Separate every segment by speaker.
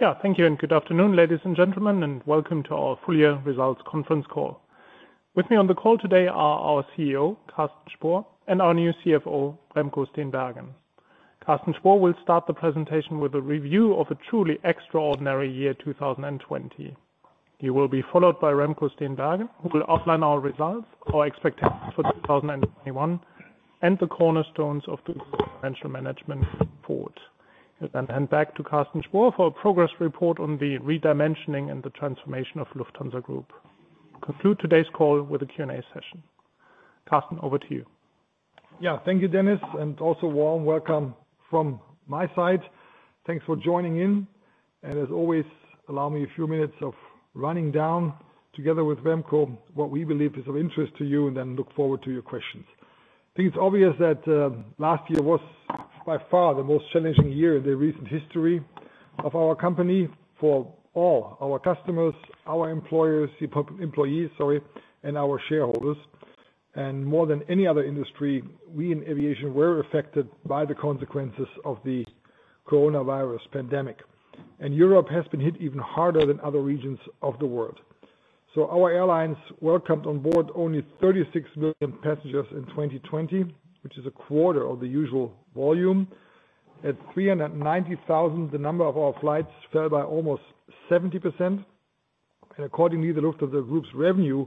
Speaker 1: Yeah. Thank you, and good afternoon, ladies and gentlemen, and welcome to our full year results conference call. With me on the call today are our CEO, Carsten Spohr, and our new CFO, Remco Steenbergen. Carsten Spohr will start the presentation with a review of a truly extraordinary year, 2020. He will be followed by Remco Steenbergen, who will outline our results, our expectations for 2021, and the cornerstones of the financial management report. He'll then hand back to Carsten Spohr for a progress report on the redimensioning and the transformation of Lufthansa Group. We'll conclude today's call with a Q&A session. Carsten, over to you.
Speaker 2: Yeah, thank you, Dennis. Also warm welcome from my side. Thanks for joining in, and as always, allow me a few minutes of running down, together with Remco, what we believe is of interest to you, and then look forward to your questions. I think it's obvious that last year was by far the most challenging year in the recent history of our company for all our customers, our employees, sorry, and our shareholders. More than any other industry, we in aviation, were affected by the consequences of the coronavirus pandemic. Europe has been hit even harder than other regions of the world. Our airlines welcomed on board only 36 million passengers in 2020, which is a quarter of the usual volume. At 390,000, the number of our flights fell by almost 70%. Accordingly, the Lufthansa Group's revenue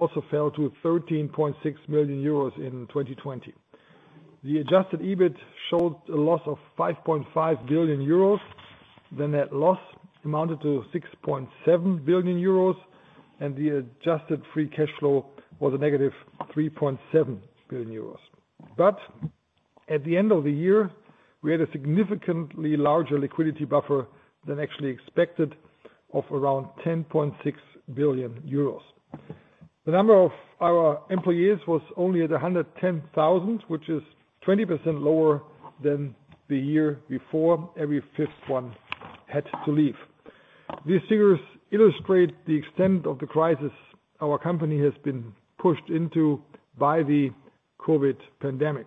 Speaker 2: also fell to 13.6 million euros in 2020. The adjusted EBIT showed a loss of 5.5 billion euros. The net loss amounted to 6.7 billion euros. The adjusted free cash flow was a negative 3.7 billion euros. At the end of the year, we had a significantly larger liquidity buffer than actually expected of around 10.6 billion euros. The number of our employees was only at 110,000, which is 20% lower than the year before. Every fifth one had to leave. These figures illustrate the extent of the crisis our company has been pushed into by the COVID pandemic.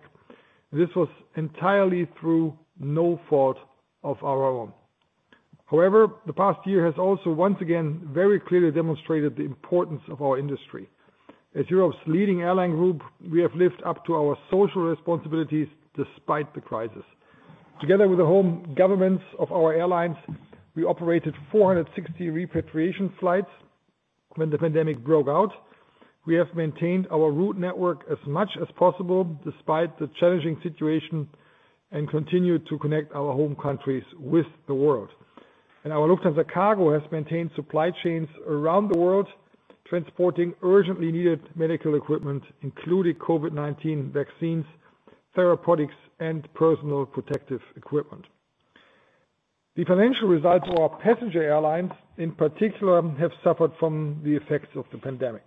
Speaker 2: This was entirely through no fault of our own. However, the past year has also once again very clearly demonstrated the importance of our industry. As Europe's leading airline group, we have lived up to our social responsibilities despite the crisis. Together with the home governments of our airlines, we operated 460 repatriation flights when the pandemic broke out. We have maintained our route network as much as possible despite the challenging situation, continue to connect our home countries with the world. Our Lufthansa Cargo has maintained supply chains around the world, transporting urgently needed medical equipment, including COVID-19 vaccines, therapeutics, and personal protective equipment. The financial results for our passenger airlines, in particular, have suffered from the effects of the pandemic.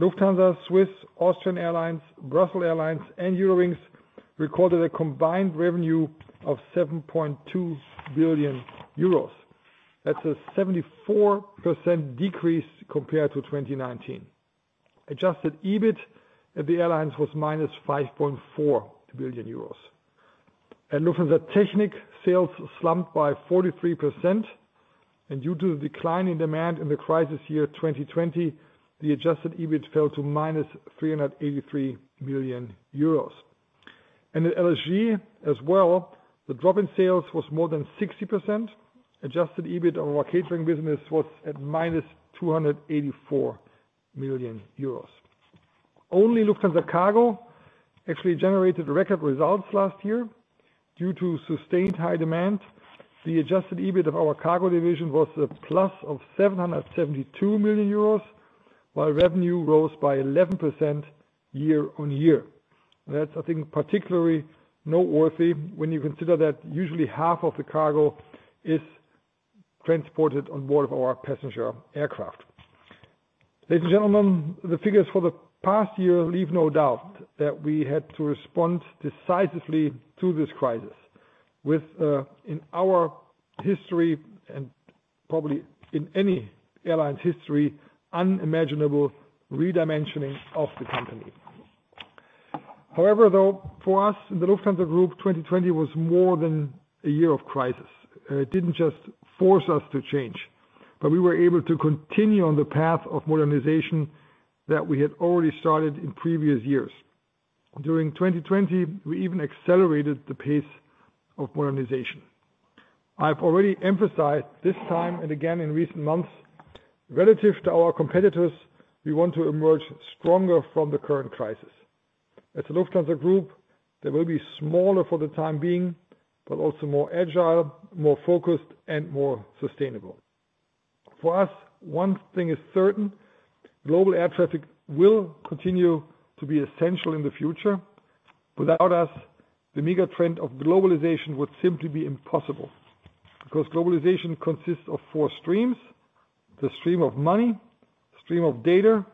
Speaker 2: Lufthansa, Swiss, Austrian Airlines, Brussels Airlines, and Eurowings recorded a combined revenue of 7.2 billion euros. That's a 74% decrease compared to 2019. Adjusted EBIT at the airlines was minus 5.4 billion euros. At Lufthansa Technik, sales slumped by 43%. Due to the decline in demand in the crisis year 2020, the adjusted EBIT fell to minus 383 million euros. At LSG as well, the drop in sales was more than 60%. Adjusted EBIT on our catering business was at minus 284 million euros. Only Lufthansa Cargo actually generated record results last year due to sustained high demand. The adjusted EBIT of our cargo division was a plus of 772 million euros, while revenue rose by 11% year-on-year. That's, I think, particularly noteworthy when you consider that usually half of the cargo is transported on board of our passenger aircraft. Ladies and gentlemen, the figures for the past year leave no doubt that we had to respond decisively to this crisis with, in our history and probably in any airline's history, unimaginable redimensioning of the company. For us in the Lufthansa Group, 2020 was more than a year of crisis. It didn't just force us to change, but we were able to continue on the path of modernization that we had already started in previous years. During 2020, we even accelerated the pace of modernization. I've already emphasized this time and again in recent months, relative to our competitors, we want to emerge stronger from the current crisis. As a Lufthansa Group, they will be smaller for the time being, but also more agile, more focused, and more sustainable. For us, one thing is certain: global air traffic will continue to be essential in the future. Without us, the mega trend of globalization would simply be impossible. Globalization consists of four streams, the stream of money, stream of data,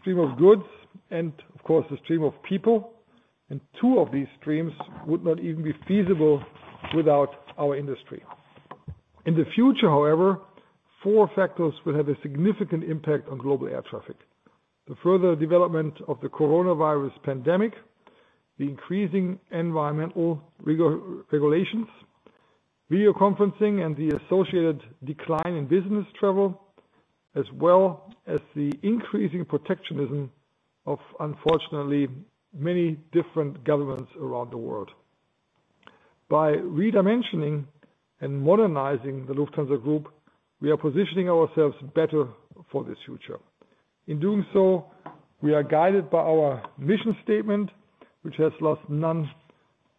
Speaker 2: stream of goods, and of course, the stream of people. Two of these streams would not even be feasible without our industry. In the future, however, four factors will have a significant impact on global air traffic. The further development of the coronavirus pandemic, the increasing environmental regulations, video conferencing, and the associated decline in business travel, as well as the increasing protectionism of, unfortunately, many different governments around the world. By redimensioning and modernizing the Lufthansa Group, we are positioning ourselves better for the future. In doing so, we are guided by our mission statement, which has lost none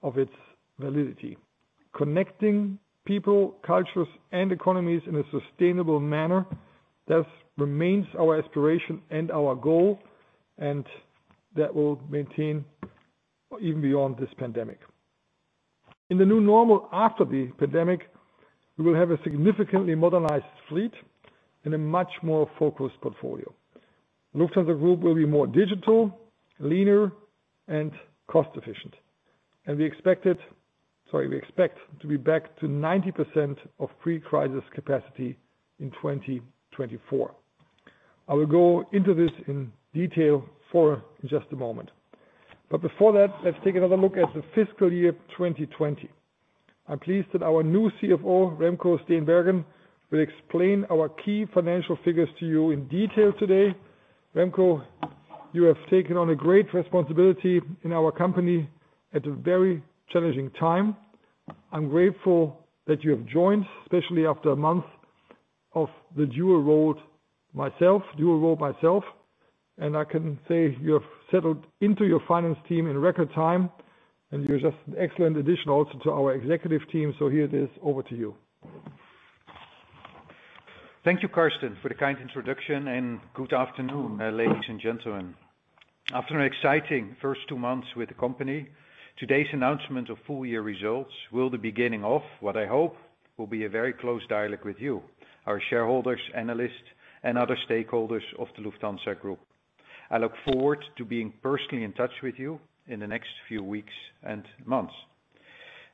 Speaker 2: of its validity. Connecting people, cultures, and economies in a sustainable manner, that remains our aspiration and our goal, and that will maintain even beyond this pandemic. In the new normal, after the pandemic, we will have a significantly modernized fleet and a much more focused portfolio. Lufthansa Group will be more digital, leaner, and cost efficient. We expect to be back to 90% of pre-crisis capacity in 2024. I will go into this in detail for just a moment, but before that, let's take another look at the fiscal year 2020. I'm pleased that our new CFO, Remco Steenbergen, will explain our key financial figures to you in detail today. Remco, you have taken on a great responsibility in our company at a very challenging time. I'm grateful that you have joined, especially after a month of the dual role myself, and I can say you have settled into your finance team in record time, and you're just an excellent addition also to our Executive Team. Here it is, over to you.
Speaker 3: Thank you, Carsten, for the kind introduction, and good afternoon, ladies and gentlemen. After an exciting first two months with the company, today's announcement of full-year results will the beginning of what I hope will be a very close dialogue with you, our shareholders, analysts, and other stakeholders of the Lufthansa Group. I look forward to being personally in touch with you in the next few weeks and months.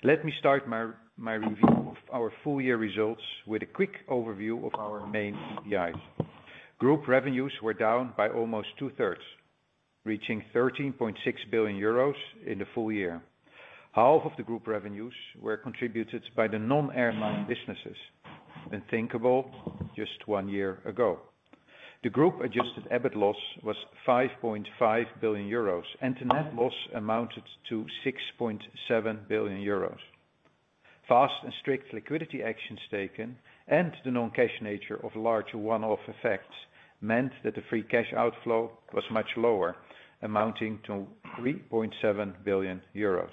Speaker 3: Let me start my review of our full year results with a quick overview of our main KPIs. Group revenues were down by almost two-thirds, reaching 13.6 billion euros in the full year. Half of the group revenues were contributed by the non-airline businesses. Unthinkable just one year ago. The group adjusted EBIT loss was 5.5 billion euros, and the net loss amounted to 6.7 billion euros. Fast and strict liquidity actions taken and the non-cash nature of large one-off effects meant that the free cash outflow was much lower, amounting to 3.7 billion euros.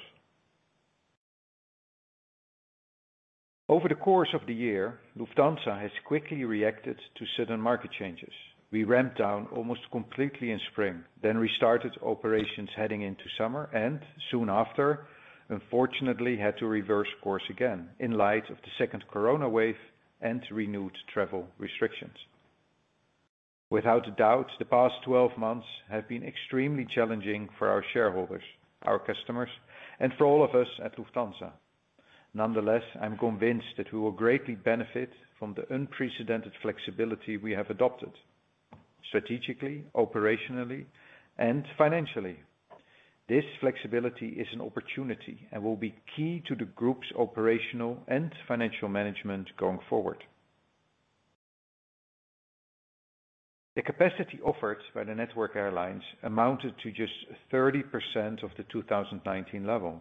Speaker 3: Over the course of the year, Lufthansa has quickly reacted to sudden market changes. We ramped down almost completely in spring, then restarted operations heading into summer and soon after, unfortunately had to reverse course again in light of the second corona wave and renewed travel restrictions. Without a doubt, the past 12 months have been extremely challenging for our shareholders, our customers, and for all of us at Lufthansa. Nonetheless, I'm convinced that we will greatly benefit from the unprecedented flexibility we have adopted strategically, operationally, and financially. This flexibility is an opportunity and will be key to the group's operational and financial management going forward. The capacity offered by the network airlines amounted to just 30% of the 2019 level.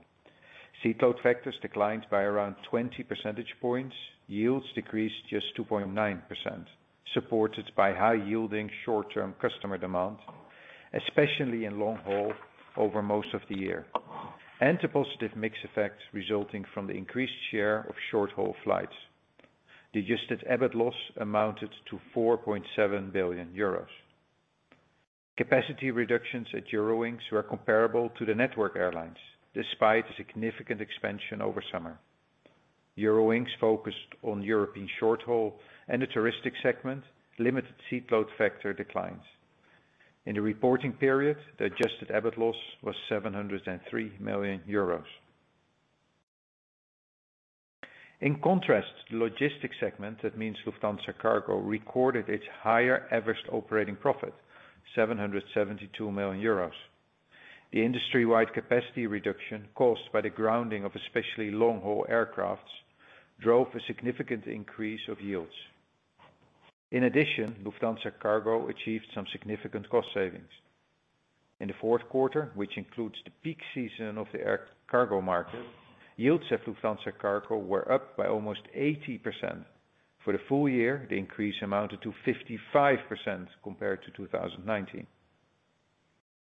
Speaker 3: Seat load factors declined by around 20 percentage points. Yields decreased just 2.9%, supported by high yielding short-term customer demand, especially in long haul over most of the year. To positive mix effects resulting from the increased share of short haul flights. The adjusted EBIT loss amounted to 4.7 billion euros. Capacity reductions at Eurowings were comparable to the network airlines, despite significant expansion over summer. Eurowings focused on European short haul and the touristic segment, limited seat load factor declines. In the reporting period, the adjusted EBIT loss was 703 million euros. In contrast, the logistics segment, that means Lufthansa Cargo, recorded its higher average operating profit, 772 million euros. The industry-wide capacity reduction caused by the grounding of especially long haul aircraft, drove a significant increase of yields. In addition, Lufthansa Cargo achieved some significant cost savings. In the fourth quarter, which includes the peak season of the air cargo market, yields at Lufthansa Cargo were up by almost 80%. For the full year, the increase amounted to 55% compared to 2019.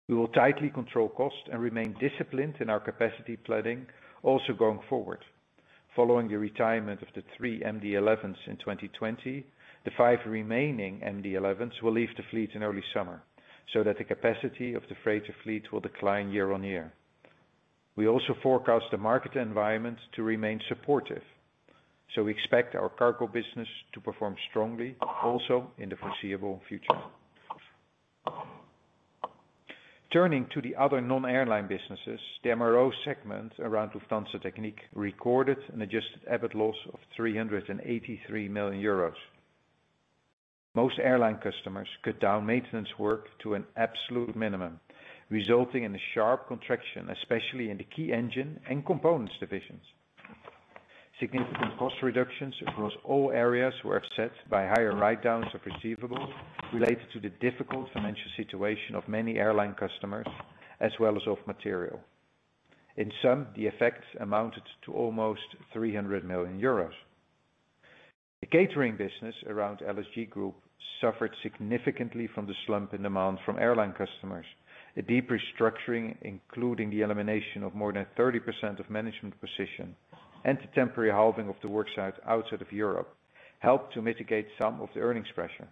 Speaker 3: We will tightly control cost and remain disciplined in our capacity planning also going forward. Following the retirement of the 3 MD-11s in 2020, the five remaining MD-11s will leave the fleet in early summer, so that the capacity of the freighter fleet will decline year-on-year. We also forecast the market environment to remain supportive, so we expect our cargo business to perform strongly also in the foreseeable future. Turning to the other non-airline businesses, the MRO segment around Lufthansa Technik recorded an adjusted EBIT loss of 383 million euros. Most airline customers cut down maintenance work to an absolute minimum, resulting in a sharp contraction, especially in the key engine and components divisions. Significant cost reductions across all areas were offset by higher write-downs of receivables related to the difficult financial situation of many airline customers, as well as of material. In sum, the effects amounted to almost 300 million euros. The catering business around LSG Group suffered significantly from the slump in demand from airline customers. A deep restructuring, including the elimination of more 30% of management position and the temporary halving of the worksite outside of Europe, helped to mitigate some of the earnings pressure.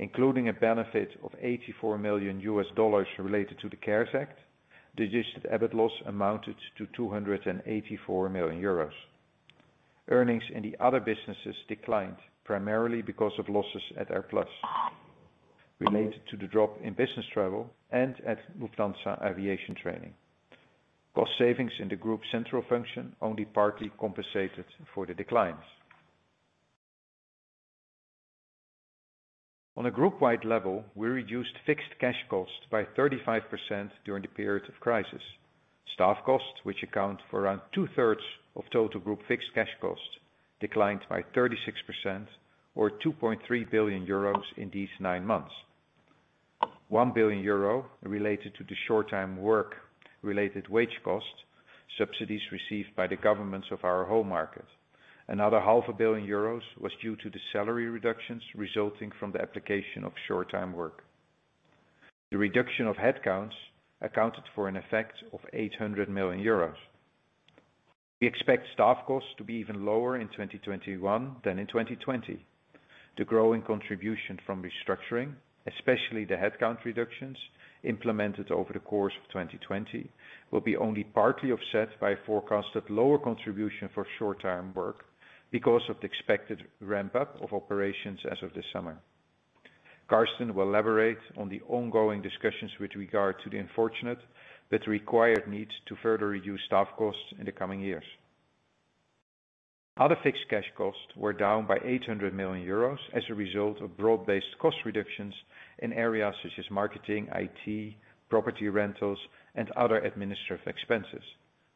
Speaker 3: Including a benefit of $84 million related to the CARES Act, adjusted EBIT loss amounted to 284 million euros. Earnings in the other businesses declined primarily because of losses at AirPlus, related to the drop in business travel and at Lufthansa Aviation Training. Cost savings in the group's central function only partly compensated for the declines. On a group-wide level, we reduced fixed cash costs by 35% during the period of crisis. Staff costs, which account for around two-thirds of total group fixed cash costs, declined by 36% or 2.3 billion euros in these nine months. 1 billion euro related to the short-time work related wage costs, subsidies received by the governments of our home market. Another half a billion EUR was due to the salary reductions resulting from the application of short-time work. The reduction of headcounts accounted for an effect of 800 million euros. We expect staff costs to be even lower in 2021 than in 2020. The growing contribution from restructuring, especially the headcount reductions implemented over the course of 2020, will be only partly offset by a forecasted lower contribution for short-time work because of the expected ramp-up of operations as of this summer. Carsten will elaborate on the ongoing discussions with regard to the unfortunate, but required needs to further reduce staff costs in the coming years. Other fixed cash costs were down by 800 million euros as a result of broad-based cost reductions in areas such as marketing, IT, property rentals, and other administrative expenses,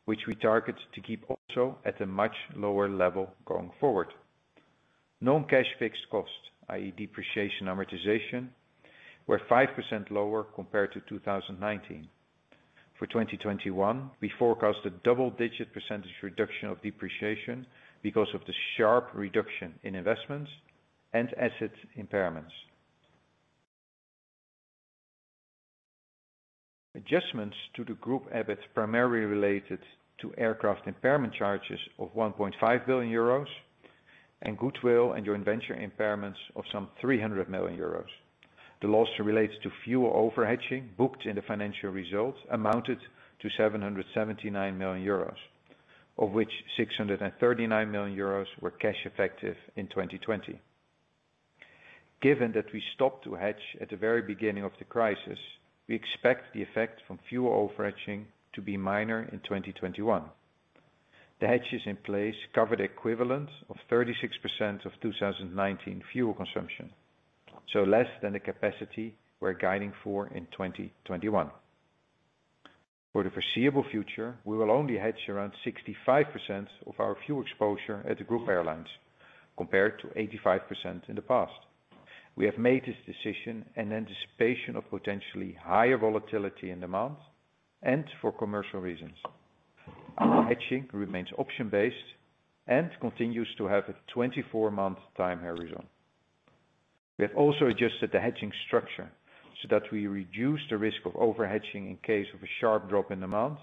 Speaker 3: which we target to keep also at a much lower level going forward. Non-cash fixed costs, i.e. depreciation amortization, were 5% lower compared to 2019. For 2021, we forecast a double-digit percentage reduction of depreciation because of the sharp reduction in investments and asset impairments. Adjustments to the group EBIT primarily related to aircraft impairment charges of 1.5 billion euros and goodwill and joint venture impairments of some 300 million euros. The loss relates to fuel over-hedging booked in the financial results amounted to 779 million euros, of which 639 million euros were cash effective in 2020. Given that we stopped to hedge at the very beginning of the crisis, we expect the effect from fuel over-hedging to be minor in 2021. The hedges in place cover the equivalent of 36% of 2019 fuel consumption, so less than the capacity we're guiding for in 2021. For the foreseeable future, we will only hedge around 65% of our fuel exposure at the group airlines, compared to 85% in the past. We have made this decision in anticipation of potentially higher volatility in demand and for commercial reasons. Our hedging remains option-based and continues to have a 24-month time horizon. We have also adjusted the hedging structure so that we reduce the risk of over-hedging in case of a sharp drop in demand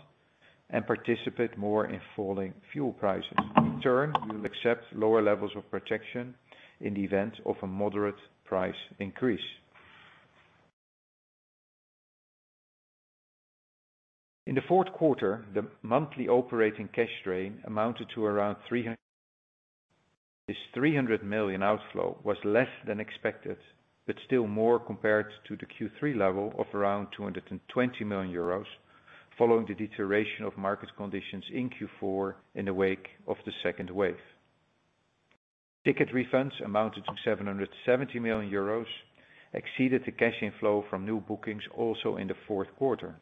Speaker 3: and participate more in falling fuel prices. In turn, we will accept lower levels of protection in the event of a moderate price increase. In the fourth quarter, the monthly operating cash drain amounted to around 300. This 300 million outflow was less than expected, but still more compared to the Q3 level of around 220 million euros, following the deterioration of market conditions in Q4 in the wake of the second wave. Ticket refunds amounted to 770 million euros, exceeded the cash inflow from new bookings also in the fourth quarter.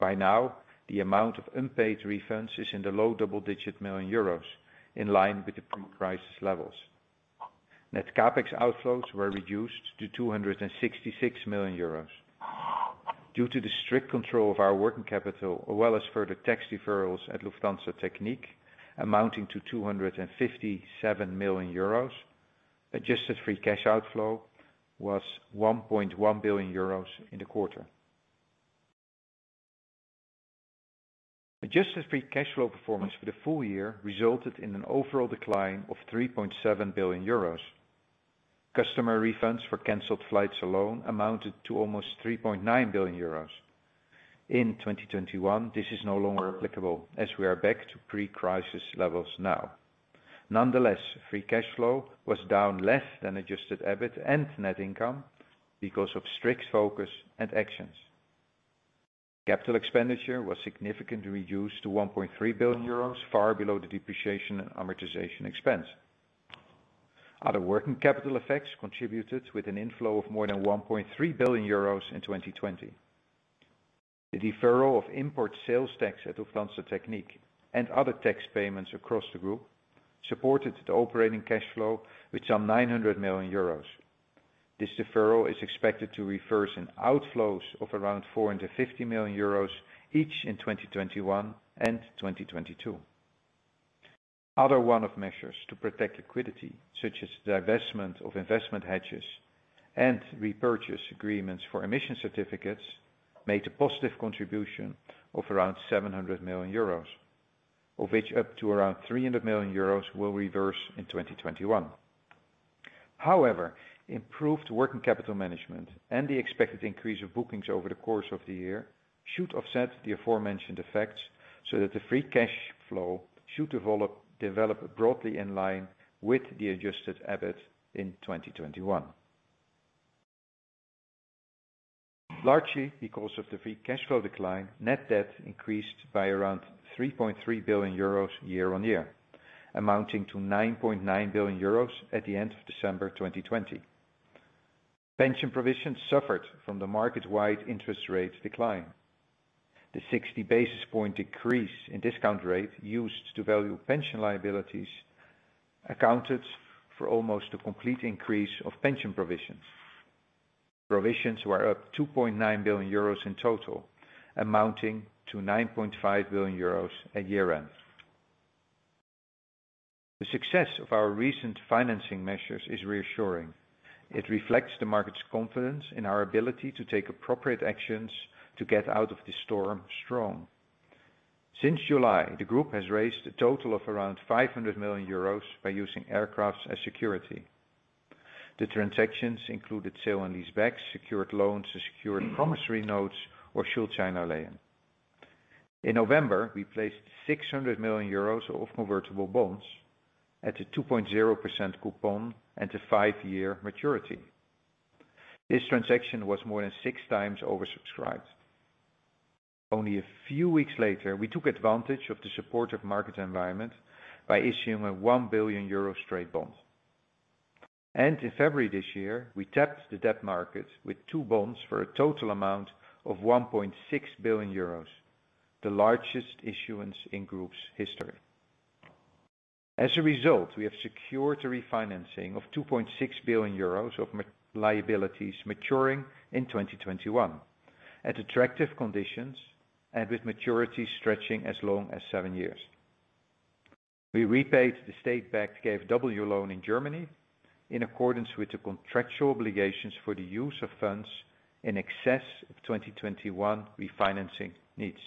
Speaker 3: By now, the amount of unpaid refunds is in the low double-digit million EUR, in line with the pre-crisis levels. Net CapEx outflows were reduced to 266 million euros. Due to the strict control of our working capital, as well as further tax deferrals at Lufthansa Technik amounting to 257 million euros, adjusted free cash outflow was 1.1 billion euros in the quarter. Adjusted free cash flow performance for the full year resulted in an overall decline of 3.7 billion euros. Customer refunds for canceled flights alone amounted to almost 3.9 billion euros. In 2021, this is no longer applicable as we are back to pre-crisis levels now. Nonetheless, free cash flow was down less than adjusted EBIT and net income because of strict focus and actions. Capital expenditure was significantly reduced to 1.3 billion euros, far below the depreciation and amortization expense. Other working capital effects contributed with an inflow of more than 1.3 billion euros in 2020. The deferral of import sales tax at Lufthansa Technik and other tax payments across the group supported the operating cash flow with some 900 million euros. This deferral is expected to reverse in outflows of around 450 million euros each in 2021 and 2022. Other one-off measures to protect liquidity, such as divestment of investment hedges and repurchase agreements for emission certificates, made a positive contribution of around 700 million euros, of which up to around 300 million euros will reverse in 2021. However, improved working capital management and the expected increase of bookings over the course of the year should offset the aforementioned effects so that the free cash flow should develop broadly in line with the adjusted EBIT in 2021. Largely because of the free cash flow decline, net debt increased by around 3.3 billion euros year-on-year, amounting to 9.9 billion euros at the end of December 2020. Pension provisions suffered from the market-wide interest rate decline. The 60-basis-point decrease in discount rate used to value pension liabilities accounted for almost a complete increase of pension provisions. Provisions were up 2.9 billion euros in total, amounting to 9.5 billion euros at year-end. The success of our recent financing measures is reassuring. It reflects the market's confidence in our ability to take appropriate actions to get out of this storm strong. Since July, the group has raised a total of around 500 million euros by using aircraft as security. The transactions included sale and lease backs, secured loans to secured promissory notes or Schuldscheindarlehen. In November, we placed 600 million euros of convertible bonds at a 2.0% coupon and a five-year maturity. This transaction was more than six times oversubscribed. Only a few weeks later, we took advantage of the supportive market environment by issuing a 1 billion euro straight bond. In February this year, we tapped the debt market with two bonds for a total amount of 1.6 billion euros, the largest issuance in group's history. As a result, we have secured the refinancing of 2.6 billion euros of liabilities maturing in 2021 at attractive conditions and with maturities stretching as long as seven years. We repaid the state-backed KfW loan in Germany in accordance with the contractual obligations for the use of funds in excess of 2021 refinancing needs.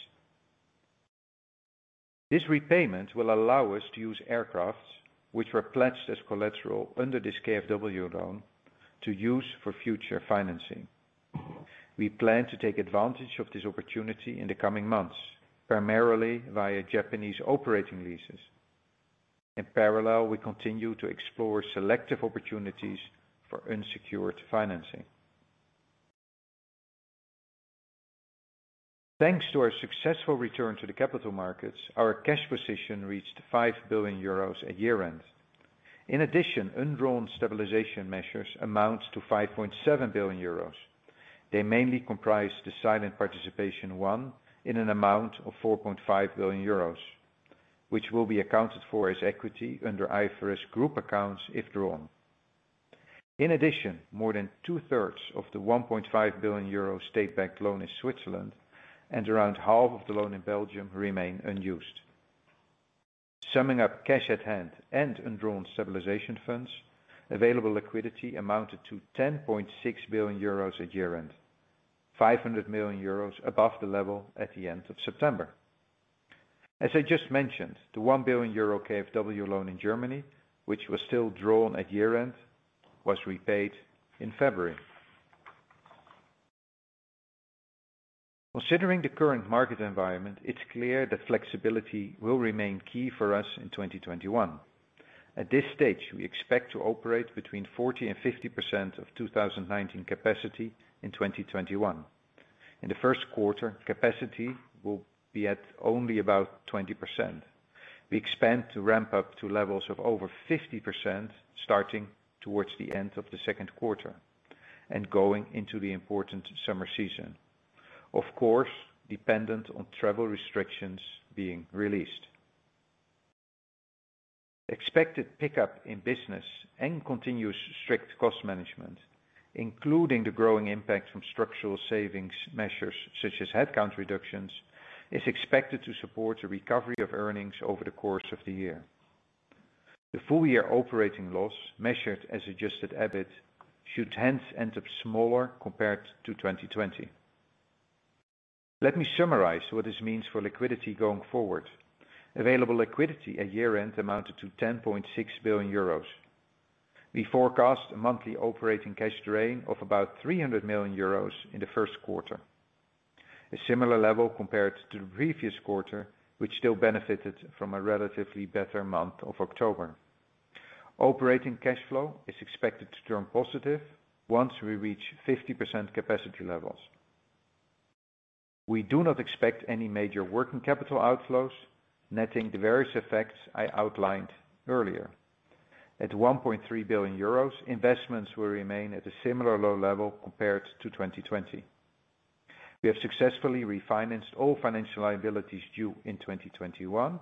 Speaker 3: This repayment will allow us to use aircraft, which were pledged as collateral under this KfW loan, to use for future financing. We plan to take advantage of this opportunity in the coming months, primarily via Japanese operating leases. In parallel, we continue to explore selective opportunities for unsecured financing. Thanks to our successful return to the capital markets, our cash position reached 5 billion euros at year-end. In addition, undrawn stabilization measures amount to 5.7 billion euros. They mainly comprise the silent participation one in an amount of 4.5 billion euros, which will be accounted for as equity under IFRS group accounts if drawn. In addition, more than two-thirds of the 1.5 billion euro state-backed loan in Switzerland and around half of the loan in Belgium remain unused. Summing up cash at hand and undrawn stabilization funds, available liquidity amounted to 10.6 billion euros at year-end, 500 million euros above the level at the end of September. As I just mentioned, the 1 billion euro KfW loan in Germany, which was still drawn at year-end, was repaid in February. Considering the current market environment, it's clear that flexibility will remain key for us in 2021. At this stage, we expect to operate between 40% and 50% of 2019 capacity in 2021. In the first quarter, capacity will be at only about 20%. We expand to ramp up to levels of over 50% starting towards the end of the second quarter and going into the important summer season. Of course, dependent on travel restrictions being released. Expected pickup in business and continuous strict cost management, including the growing impact from structural savings measures such as headcount reductions, is expected to support the recovery of earnings over the course of the year. The full-year operating loss measured as adjusted EBIT should hence end up smaller compared to 2020. Let me summarize what this means for liquidity going forward. Available liquidity at year-end amounted to 10.6 billion euros. We forecast a monthly operating cash drain of about 300 million euros in the first quarter, a similar level compared to the previous quarter, which still benefited from a relatively better month of October. Operating cash flow is expected to turn positive once we reach 50% capacity levels. We do not expect any major working capital outflows, netting the various effects I outlined earlier. At 1.3 billion euros, investments will remain at a similar low level compared to 2020. We have successfully refinanced all financial liabilities due in 2021.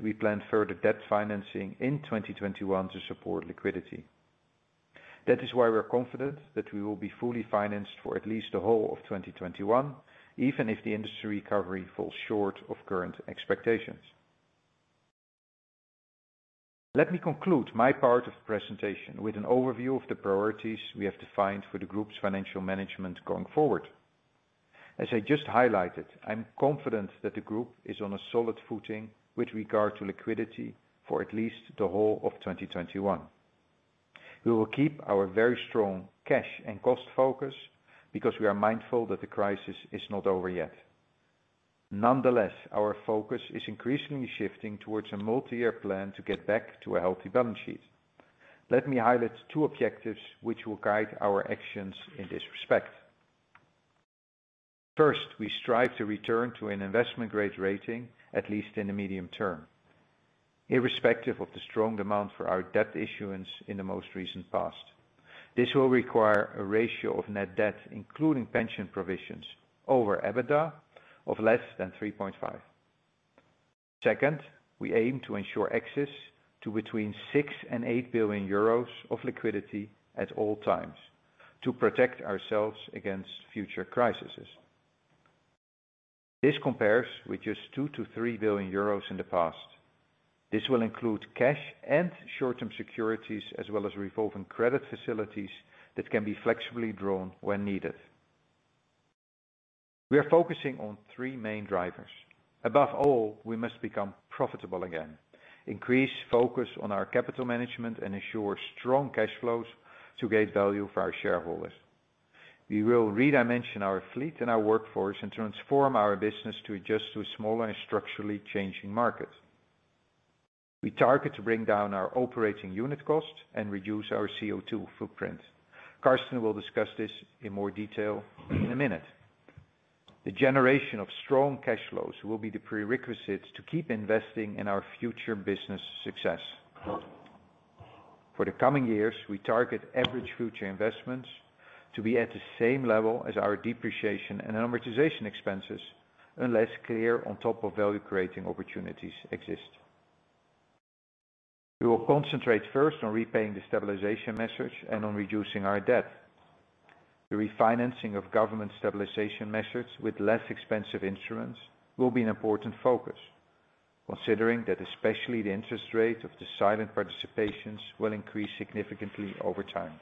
Speaker 3: We plan further debt financing in 2021 to support liquidity. That is why we are confident that we will be fully financed for at least the whole of 2021, even if the industry recovery falls short of current expectations. Let me conclude my part of the presentation with an overview of the priorities we have defined for the group's financial management going forward. As I just highlighted, I'm confident that the group is on a solid footing with regard to liquidity for at least the whole of 2021. We will keep our very strong cash and cost focus because we are mindful that the crisis is not over yet. Nonetheless, our focus is increasingly shifting towards a multi-year plan to get back to a healthy balance sheet. Let me highlight two objectives which will guide our actions in this respect. First, we strive to return to an investment-grade rating, at least in the medium term, irrespective of the strong demand for our debt issuance in the most recent past. This will require a ratio of net debt, including pension provisions over EBITDA of less than 3.5. Second, we aim to ensure access to between 6 and 8 billion euros of liquidity at all times, to protect ourselves against future crises. This compares with just 2 to 3 billion euros in the past. This will include cash and short-term securities, as well as revolving credit facilities that can be flexibly drawn when needed. We are focusing on three main drivers. Above all, we must become profitable again, increase focus on our capital management, and ensure strong cash flows to gain value for our shareholders. We will re-dimension our fleet and our workforce and transform our business to adjust to a smaller and structurally changing market. We target to bring down our operating unit cost and reduce our CO2 footprint. Carsten will discuss this in more detail in a minute. The generation of strong cash flows will be the prerequisite to keep investing in our future business success. For the coming years, we target average future investments to be at the same level as our depreciation and amortization expenses, unless clear on top of value-creating opportunities exist. We will concentrate first on repaying the stabilization measures and on reducing our debt. The refinancing of government stabilization measures with less expensive instruments will be an important focus, considering that especially the interest rate of the silent participations will increase significantly over time.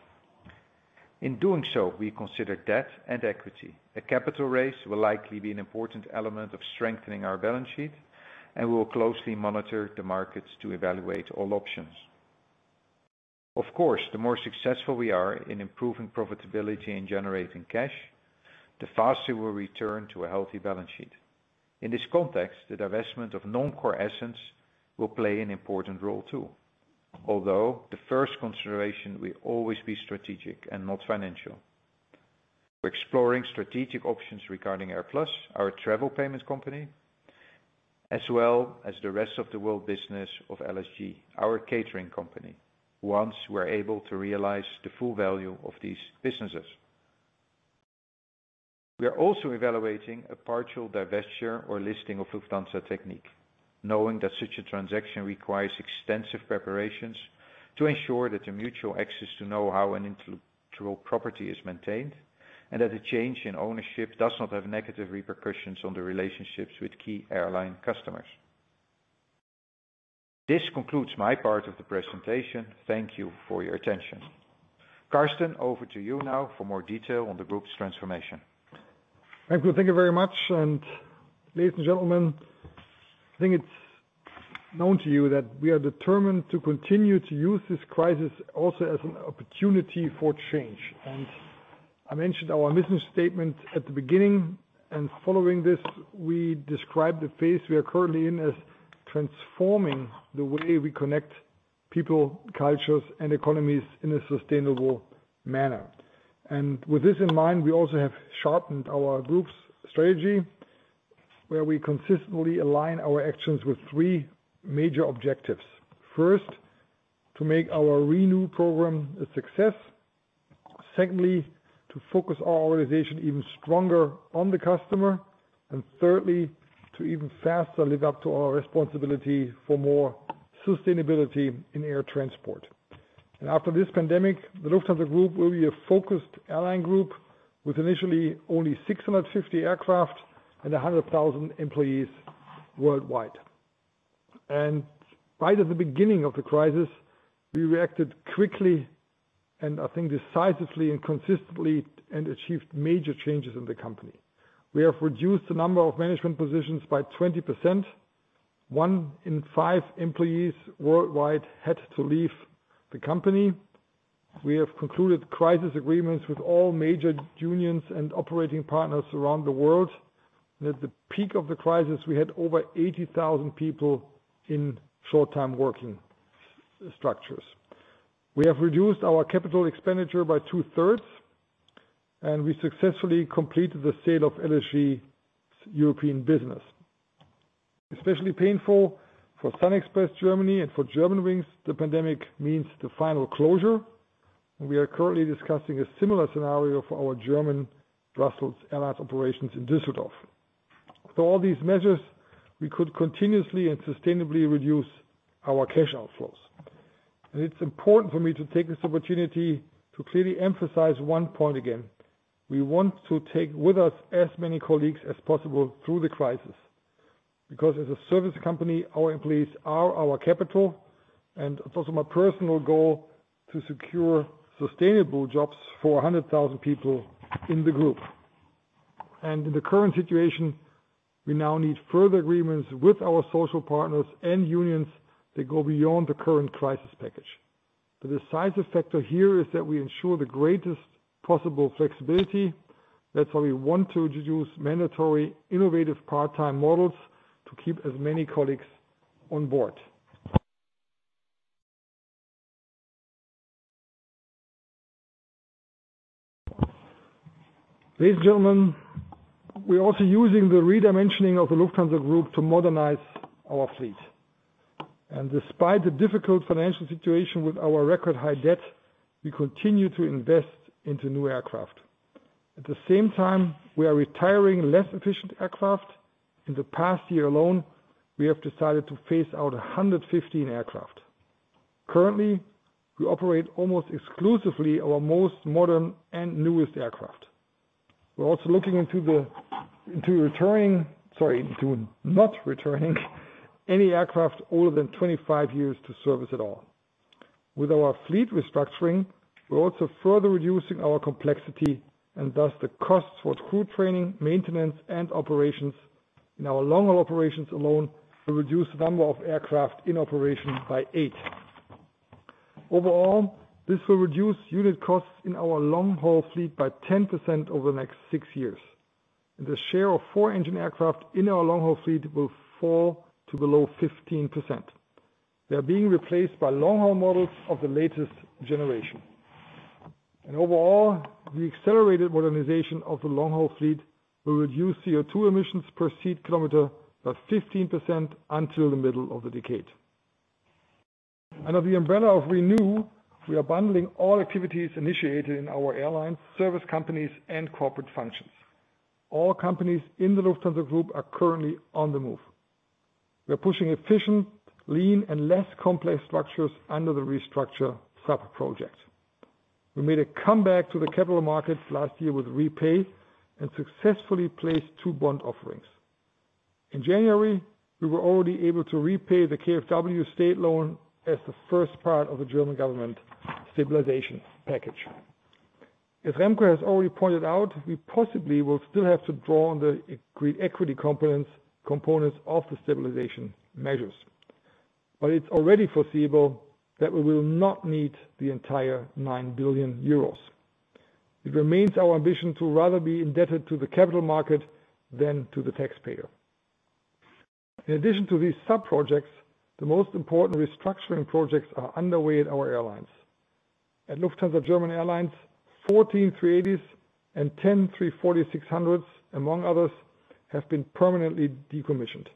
Speaker 3: In doing so, we consider debt and equity. A capital raise will likely be an important element of strengthening our balance sheet, and we will closely monitor the markets to evaluate all options. Of course, the more successful we are in improving profitability and generating cash, the faster we'll return to a healthy balance sheet. In this context, the divestment of non-core assets will play an important role, too. Although the first consideration will always be strategic and not financial. We're exploring strategic options regarding AirPlus, our travel payments company, as well as the rest of the world business of LSG, our catering company, once we're able to realize the full value of these businesses. We are also evaluating a partial divestiture or listing of Lufthansa Technik, knowing that such a transaction requires extensive preparations to ensure that the mutual access to know-how and intellectual property is maintained, and that the change in ownership does not have negative repercussions on the relationships with key airline customers. This concludes my part of the presentation. Thank you for your attention. Carsten, over to you now for more detail on the group's transformation.
Speaker 2: Thank you very much. Ladies and gentlemen, I think it's known to you that we are determined to continue to use this crisis also as an opportunity for change. I mentioned our mission statement at the beginning, following this, we describe the phase we are currently in as transforming the way we connect people, cultures, and economies in a sustainable manner. With this in mind, we also have sharpened our group's strategy, where we consistently align our actions with three major objectives. First, to make our ReNew program a success. Secondly, to focus our organization even stronger on the customer. Thirdly, to even faster live up to our responsibility for more sustainability in air transport. After this pandemic, the Lufthansa Group will be a focused airline group with initially only 650 aircraft and 100,000 employees worldwide. Right at the beginning of the crisis, we reacted quickly and I think decisively and consistently, and achieved major changes in the company. We have reduced the number of management positions by 20%. One in five employees worldwide had to leave the company. We have concluded crisis agreements with all major unions and operating partners around the world, and at the peak of the crisis, we had over 80,000 people in short-time working structures. We have reduced our capital expenditure by two-thirds, and we successfully completed the sale of LSG Group's European business. Especially painful for SunExpress Deutschland and for Germanwings, the pandemic means the final closure, and we are currently discussing a similar scenario for our German Brussels Airlines operations in Düsseldorf. With all these measures, we could continuously and sustainably reduce our cash outflows. It's important for me to take this opportunity to clearly emphasize one point again. We want to take with us as many colleagues as possible through the crisis because as a service company, our employees are our capital and it's also my personal goal to secure sustainable jobs for 100,000 people in the group. In the current situation, we now need further agreements with our social partners and unions that go beyond the current crisis package. The decisive factor here is that we ensure the greatest possible flexibility. That's why we want to introduce mandatory, innovative part-time models to keep as many colleagues on board. Ladies and gentlemen, we are also using the redimensioning of the Lufthansa Group to modernize our fleet. Despite the difficult financial situation with our record high debt, we continue to invest into new aircraft. At the same time, we are retiring less efficient aircraft. In the past year alone, we have decided to phase out 115 aircraft. Currently, we operate almost exclusively our most modern and newest aircraft. We're also looking into not retiring any aircraft older than 25 years to service at all. With our fleet restructuring, we're also further reducing our complexity and thus the costs for crew training, maintenance, and operations. In our long-haul operations alone, we reduce the number of aircraft in operation by eight. Overall, this will reduce unit costs in our long-haul fleet by 10% over the next six years. The share of four engine aircraft in our long-haul fleet will fall to below 15%. They are being replaced by long-haul models of the latest generation. Overall, the accelerated modernization of the long-haul fleet will reduce CO2 emissions per seat kilometer by 15% until the middle of the decade. Under the umbrella of ReNew, we are bundling all activities initiated in our airline, service companies, and corporate functions. All companies in the Lufthansa Group are currently on the move. We are pushing efficient, lean, and less complex structures under the ReStructure sub-project. We made a comeback to the capital markets last year with RePay and successfully placed two bond offerings. In January, we were already able to repay the KfW state loan as the first part of the German government stabilization package. As Remco has already pointed out, we possibly will still have to draw on the equity components of the stabilization measures. It's already foreseeable that we will not need the entire 9 billion euros. It remains our ambition to rather be indebted to the capital market than to the taxpayer. In addition to these sub-projects, the most important restructuring projects are underway at our airlines. At Lufthansa German Airlines, 14 A380s and 10 A340-600s, among others, have been permanently decommissioned.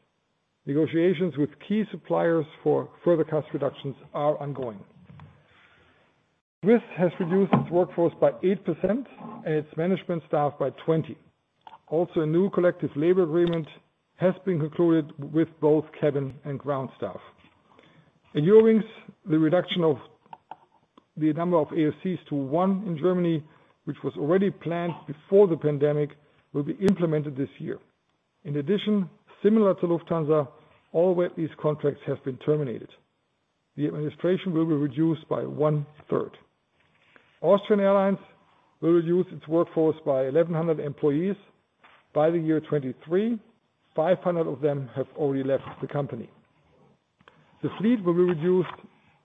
Speaker 2: Negotiations with key suppliers for further cost reductions are ongoing. Swiss has reduced its workforce by 8% and its management staff by 20. A new collective labor agreement has been concluded with both cabin and ground staff. In Eurowings, the reduction of the number of AOCs to 1 in Germany, which was already planned before the pandemic, will be implemented this year. Similar to Lufthansa, all wet lease contracts have been terminated. The administration will be reduced by one-third. Austrian Airlines will reduce its workforce by 1,100 employees by the year 2023, 500 of them have already left the company. The fleet will be reduced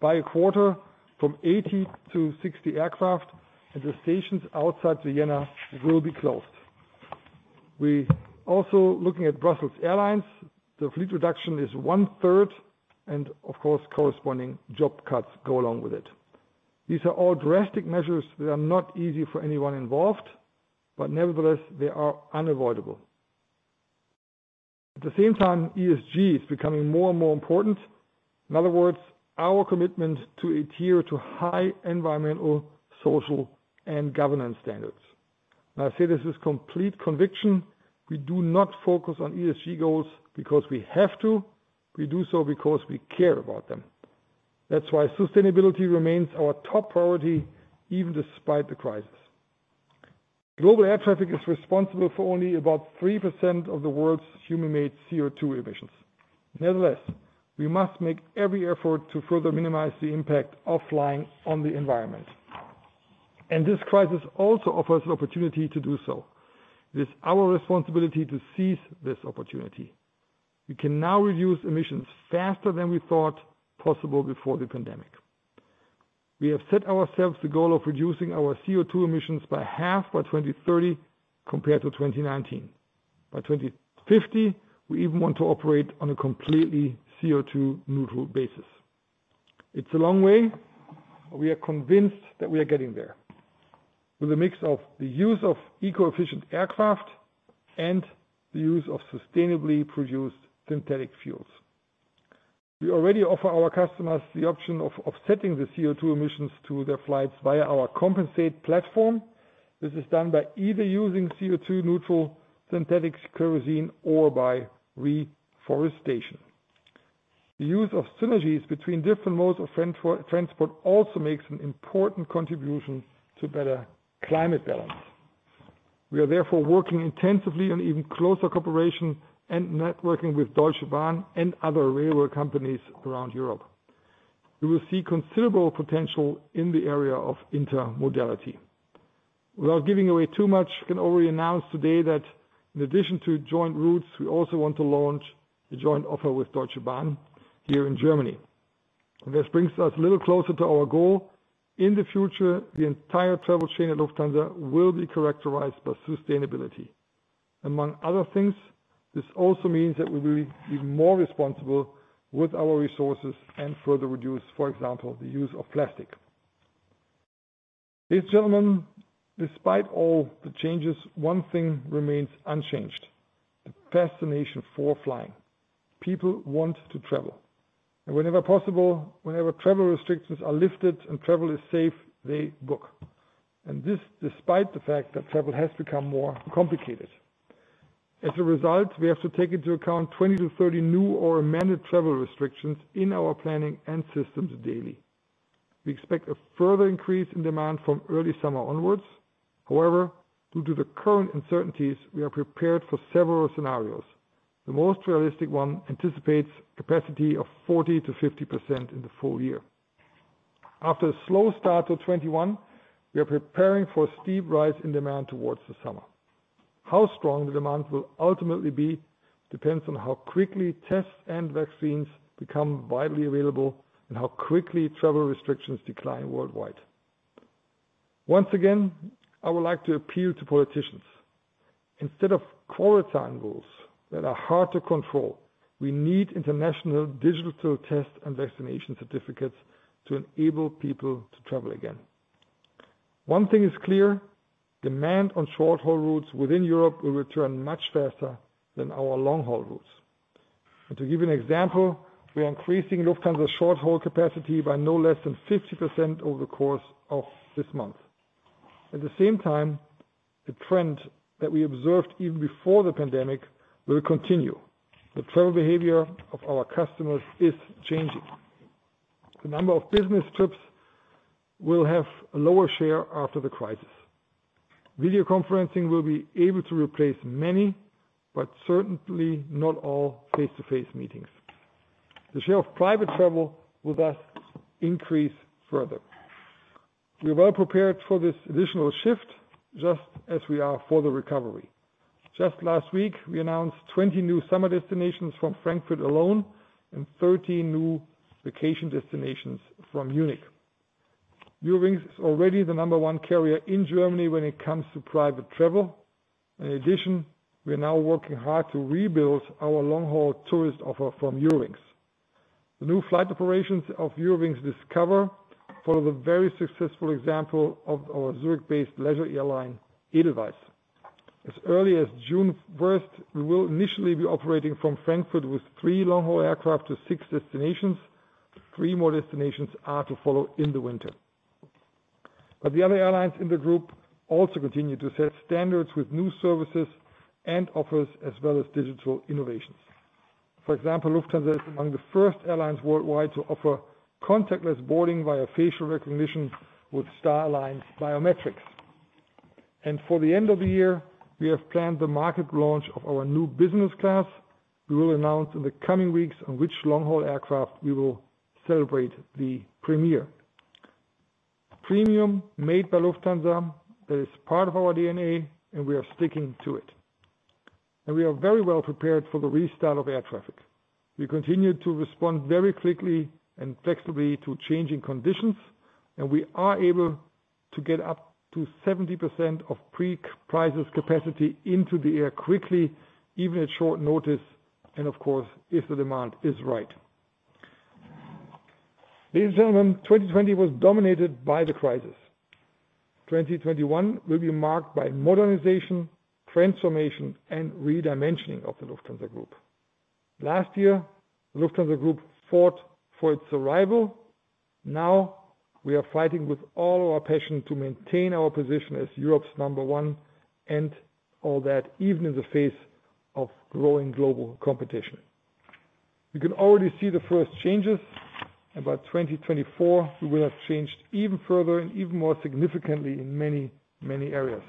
Speaker 2: by a quarter from 80 to 60 aircraft, and the stations outside Vienna will be closed. We also looking at Brussels Airlines, the fleet reduction is one-third, and of course, corresponding job cuts go along with it. These are all drastic measures that are not easy for anyone involved, but nevertheless, they are unavoidable. At the same time, ESG is becoming more and more important. In other words, our commitment to adhere to high environmental, social, and governance standards. Now, I say this with complete conviction, we do not focus on ESG goals because we have to. We do so because we care about them. That's why sustainability remains our top priority, even despite the crisis. Global air traffic is responsible for only about 3% of the world's human-made CO2 emissions. Nevertheless, we must make every effort to further minimize the impact of flying on the environment. This crisis also offers an opportunity to do so. It is our responsibility to seize this opportunity. We can now reduce emissions faster than we thought possible before the pandemic. We have set ourselves the goal of reducing our CO2 emissions by half by 2030 compared to 2019. By 2050, we even want to operate on a completely CO2 neutral basis. It's a long way, we are convinced that we are getting there with a mix of the use of eco-efficient aircraft and the use of sustainably produced synthetic fuels. We already offer our customers the option of offsetting the CO2 emissions to their flights via our Compensaid platform. This is done by either using CO2 neutral synthetic kerosene or by reforestation. The use of synergies between different modes of transport also makes an important contribution to better climate balance. We are therefore working intensively on even closer cooperation and networking with Deutsche Bahn and other railroad companies around Europe. We will see considerable potential in the area of intermodality. Without giving away too much, we can already announce today that in addition to joint routes, we also want to launch a joint offer with Deutsche Bahn here in Germany. This brings us a little closer to our goal. In the future, the entire travel chain at Lufthansa will be characterized by sustainability. Among other things, this also means that we will be more responsible with our resources and further reduce, for example, the use of plastic. Ladies and gentlemen, despite all the changes, one thing remains unchanged, the fascination for flying. People want to travel, and whenever possible, whenever travel restrictions are lifted and travel is safe, they book, and this despite the fact that travel has become more complicated. As a result, we have to take into account 20 to 30 new or amended travel restrictions in our planning and systems daily. We expect a further increase in demand from early summer onwards. However, due to the current uncertainties, we are prepared for several scenarios. The most realistic one anticipates capacity of 40%-50% in the full year. After a slow start to 2021, we are preparing for a steep rise in demand towards the summer. How strong the demand will ultimately be depends on how quickly tests and vaccines become widely available and how quickly travel restrictions decline worldwide. Once again, I would like to appeal to politicians. Instead of quarantine rules that are hard to control, we need international digital test and vaccination certificates to enable people to travel again. One thing is clear, demand on short-haul routes within Europe will return much faster than our long-haul routes. To give you an example, we are increasing Lufthansa short-haul capacity by no less than 50% over the course of this month. At the same time, the trend that we observed even before the pandemic will continue. The travel behavior of our customers is changing. The number of business trips will have a lower share after the crisis. Video conferencing will be able to replace many, but certainly not all face-to-face meetings. The share of private travel will thus increase further. We are well prepared for this additional shift just as we are for the recovery. Just last week, we announced 20 new summer destinations from Frankfurt alone and 30 new vacation destinations from Munich. Eurowings is already the number one carrier in Germany when it comes to private travel. We are now working hard to rebuild our long-haul tourist offer from Eurowings. The new flight operations of Eurowings Discover follow the very successful example of our Zurich-based leisure airline, Edelweiss. As early as June 1st, we will initially be operating from Frankfurt with three long-haul aircraft to six destinations. Three more destinations are to follow in the winter. The other airlines in the group also continue to set standards with new services and offers, as well as digital innovations. For example, Lufthansa is among the first airlines worldwide to offer contactless boarding via facial recognition with Star Alliance Biometrics. For the end of the year, we have planned the market launch of our new business class. We will announce in the coming weeks on which long-haul aircraft we will celebrate the premiere. Premium made by Lufthansa is part of our DNA, and we are sticking to it, and we are very well prepared for the restart of air traffic. We continue to respond very quickly and flexibly to changing conditions, and we are able to get up to 70% of pre-crisis capacity into the air quickly, even at short notice and of course, if the demand is right. Ladies and gentlemen, 2020 was dominated by the crisis. 2021 will be marked by modernization, transformation, and redimensioning of the Lufthansa Group. Last year, Lufthansa Group fought for its survival. We are fighting with all our passion to maintain our position as Europe's number one and all that even in the face of growing global competition. We can already see the first changes. By 2024, we will have changed even further and even more significantly in many, many areas.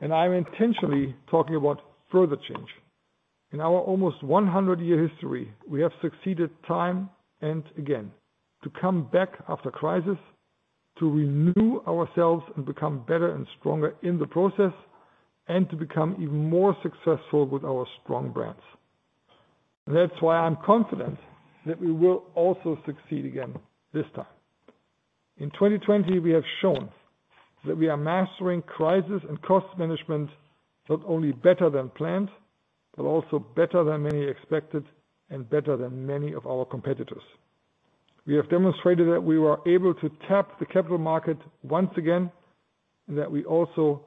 Speaker 2: I'm intentionally talking about further change. In our almost 100-year history, we have succeeded time and again to come back after crisis. To renew ourselves and become better and stronger in the process, and to become even more successful with our strong brands. That's why I'm confident that we will also succeed again this time. In 2020, we have shown that we are mastering crisis and cost management, not only better than planned, but also better than many expected and better than many of our competitors. We have demonstrated that we were able to tap the capital market once again, and that we also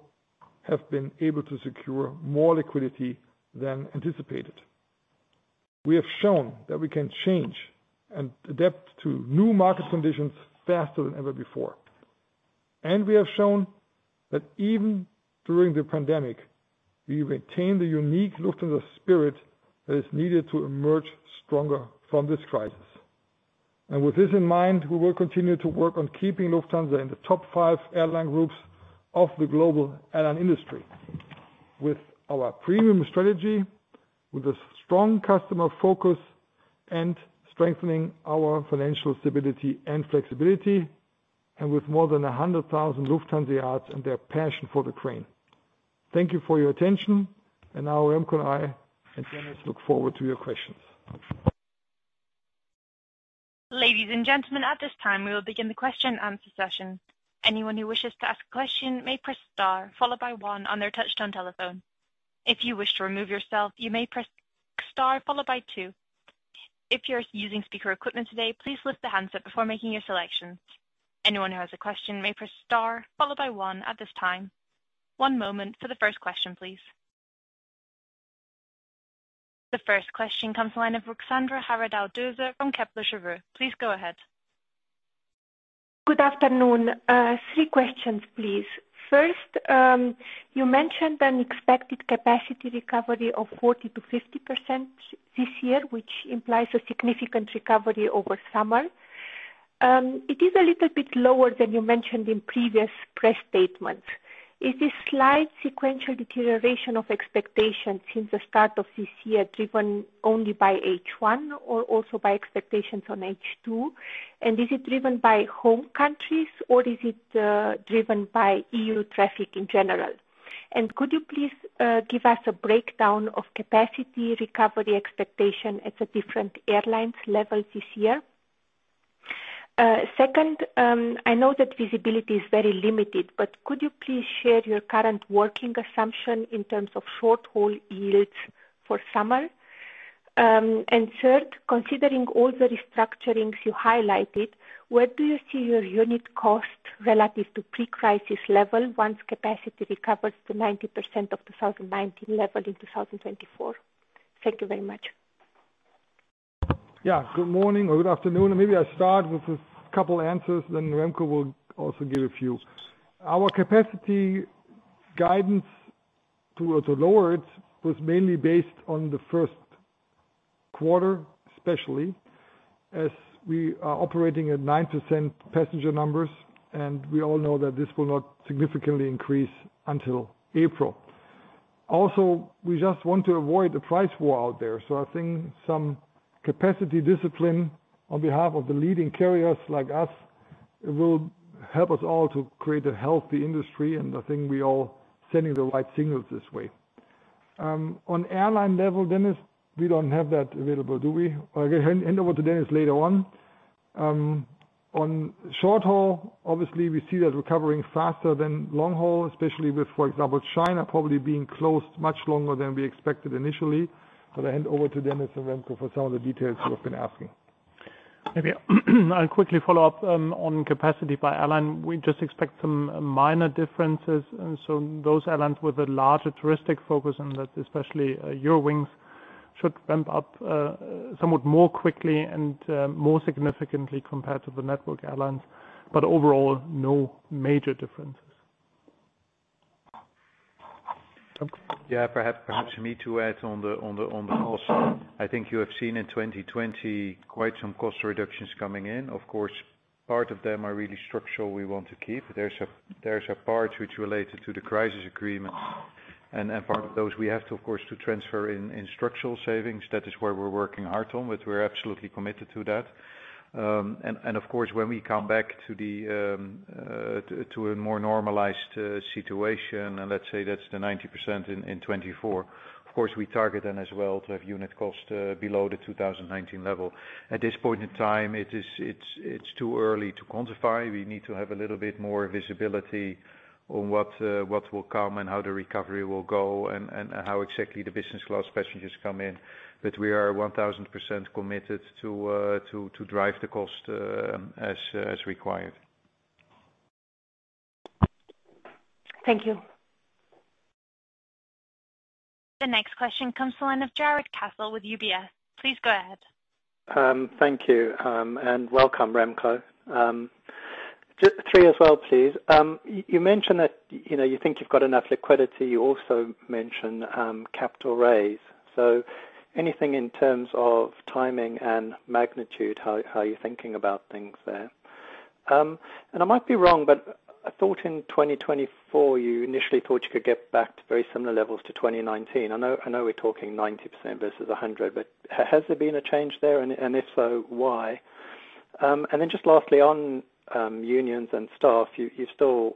Speaker 2: have been able to secure more liquidity than anticipated. We have shown that we can change and adapt to new market conditions faster than ever before. We have shown that even during the pandemic, we retain the unique Lufthansa spirit that is needed to emerge stronger from this crisis. With this in mind, we will continue to work on keeping Lufthansa in the top five airline groups of the global airline industry. With our premium strategy, with a strong customer focus, strengthening our financial stability and flexibility, and with more than 100,000 Lufthanseaten and their passion for the crane. Thank you for your attention, now Remco and I and Dennis look forward to your questions.
Speaker 4: Ladies and gentlemen, at this time we will begin the question and answer session. Anyone who wishes to ask a question may press star, followed by one, on their touchtone telephone. If you wish to remove yourself, you may press star, followed by two. If you are using speaker equipment today, please lift the handset before making your selection. Anyone who has a question may press star, followed by one, at this time. One moment for the first question, please. The first question comes the line of Ruxandra Haradau-Döser from Kepler Cheuvreux. Please go ahead.
Speaker 5: Good afternoon. Three questions, please. First, you mentioned an expected capacity recovery of 40%-50% this year, which implies a significant recovery over summer. It is a little bit lower than you mentioned in previous press statements. Is this slight sequential deterioration of expectations since the start of this year driven only by H1 or also by expectations on H2? Is it driven by home countries or is it driven by EU traffic in general? Could you please give us a breakdown of capacity recovery expectation at the different airlines levels this year? Second, I know that visibility is very limited, but could you please share your current working assumption in terms of short-haul yields for summer? Third, considering all the restructurings you highlighted, where do you see your unit cost relative to pre-crisis level once capacity recovers to 90% of 2019 level in 2024? Thank you very much.
Speaker 2: Good morning or good afternoon. Maybe I'll start with a couple answers. Remco will also give a few. Our capacity guidance towards the lower it was mainly based on the first quarter, especially, as we are operating at 9% passenger numbers. We all know that this will not significantly increase until April. We just want to avoid the price war out there. I think some capacity discipline on behalf of the leading carriers like us will help us all to create a healthy industry. I think we all sending the right signals this way. On airline level, Dennis, we don't have that available, do we? I hand over to Dennis later on. On short haul, obviously we see that recovering faster than long haul, especially with, for example, China probably being closed much longer than we expected initially. I hand over to Dennis and Remco for some of the details you have been asking.
Speaker 1: Maybe I'll quickly follow up on capacity by airline. We just expect some minor differences, and so those airlines with a larger touristic focus, and that especially Eurowings, should ramp up somewhat more quickly and more significantly compared to the network airlines. Overall, no major differences.
Speaker 2: Remco?
Speaker 3: Yeah. Perhaps me to add on the costs. I think you have seen in 2020 quite some cost reductions coming in. Of course, part of them are really structural we want to keep. There's a part which related to the crisis agreement. Part of those we have to, of course, to transfer in structural savings. That is where we're working hard on, but we're absolutely committed to that. Of course, when we come back to a more normalized situation, and let's say that's the 90% in 2024, of course we target then as well to have unit cost below the 2019 level. At this point in time, it's too early to quantify. We need to have a little bit more visibility on what will come and how the recovery will go and how exactly the business class passengers come in. We are 1,000% committed to drive the cost as required.
Speaker 5: Thank you.
Speaker 4: The next question comes to line of Jarrod Castle with UBS. Please go ahead.
Speaker 6: Thank you. Welcome, Remco. Just three as well, please. You mentioned that you think you've got enough liquidity. You also mentioned capital raise. Anything in terms of timing and magnitude, how you're thinking about things there? I might be wrong, but I thought in 2024, you initially thought you could get back to very similar levels to 2019. I know we're talking 90% versus 100, but has there been a change there? If so, why? Just lastly on unions and staff, you're still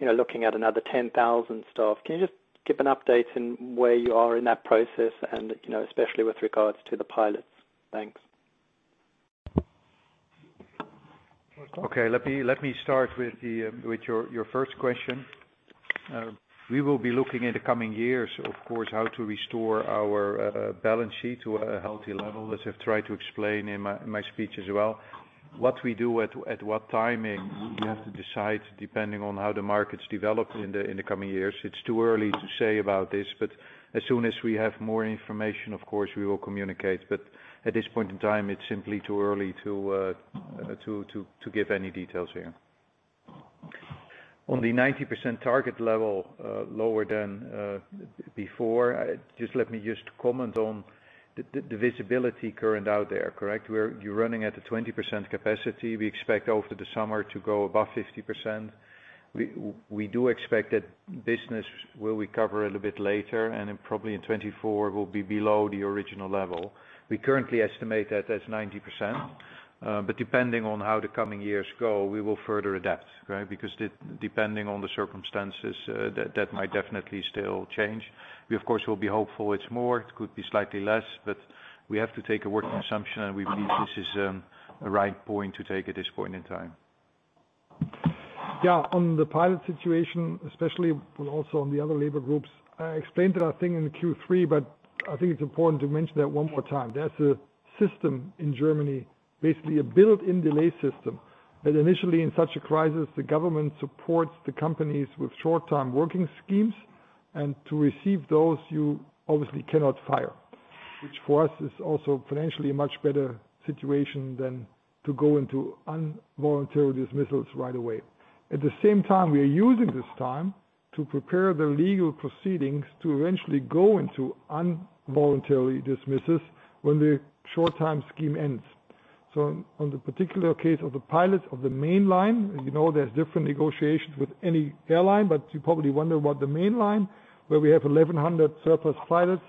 Speaker 6: looking at another 10,000 staff. Can you just give an update on where you are in that process and especially with regards to the pilots? Thanks.
Speaker 3: Okay. Let me start with your first question. We will be looking in the coming years, of course, how to restore our balance sheet to a healthy level, as I've tried to explain in my speech as well. What we do at what timing, we have to decide depending on how the markets develop in the coming years. It's too early to say about this. As soon as we have more information, of course, we will communicate. At this point in time, it's simply too early to give any details here. On the 90% target level, lower than before, let me just comment on the visibility current out there, correct? Where you're running at a 20% capacity. We expect over the summer to go above 50%. We do expect that business will recover a little bit later and probably in 2024 will be below the original level. We currently estimate that as 90%, but depending on how the coming years go, we will further adapt. Because depending on the circumstances, that might definitely still change. We, of course, will be hopeful it's more, it could be slightly less, but we have to take a working assumption, and we believe this is a right point to take at this point in time.
Speaker 2: Yeah. On the pilot situation, especially, but also on the other labor groups, I explained that, I think, in the Q3, but I think it's important to mention that one more time. There is a system in Germany, basically a built-in delay system, that initially in such a crisis, the government supports the companies with short-term working schemes. To receive those, you obviously cannot fire, which for us is also financially a much better situation than to go into involuntary dismissals right away. At the same time, we are using this time to prepare the legal proceedings to eventually go into involuntary dismissals when the short-time scheme ends. On the particular case of the pilots of the main line, you know there is different negotiations with any airline, but you probably wonder about the main line where we have 1,100 surplus pilots.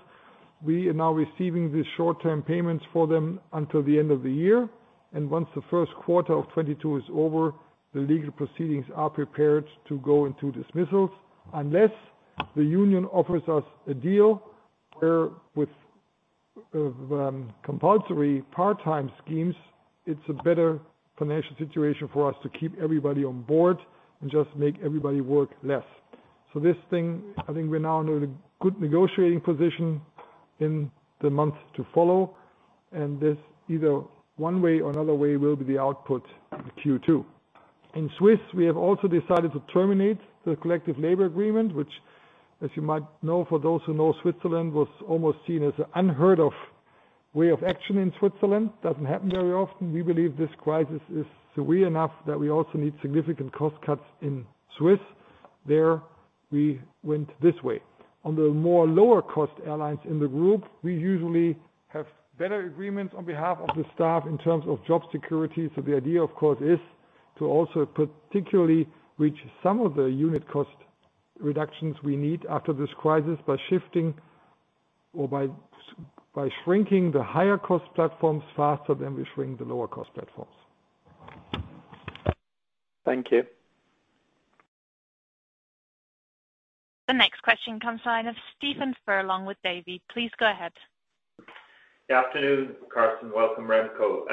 Speaker 2: We are now receiving these short-term payments for them until the end of the year. Once the first quarter of 2022 is over, the legal proceedings are prepared to go into dismissals. Unless the union offers us a deal where with compulsory part-time schemes, it's a better financial situation for us to keep everybody on board and just make everybody work less. This thing, I think we're now in a good negotiating position in the months to follow, and this either one way or another way will be the output Q2. In Swiss, we have also decided to terminate the collective labor agreement, which as you might know, for those who know Switzerland, was almost seen as an unheard of way of action in Switzerland. Doesn't happen very often. We believe this crisis is severe enough that we also need significant cost cuts in Swiss. There, we went this way. On the more lower cost airlines in the group, we usually have better agreements on behalf of the staff in terms of job security. The idea, of course, is to also particularly reach some of the unit cost reductions we need after this crisis by shifting or by shrinking the higher cost platforms faster than we shrink the lower cost platforms.
Speaker 6: Thank you.
Speaker 4: The next question comes line of Stephen Furlong with Davy. Please go ahead.
Speaker 7: Good afternoon, Carsten. Welcome, Remco.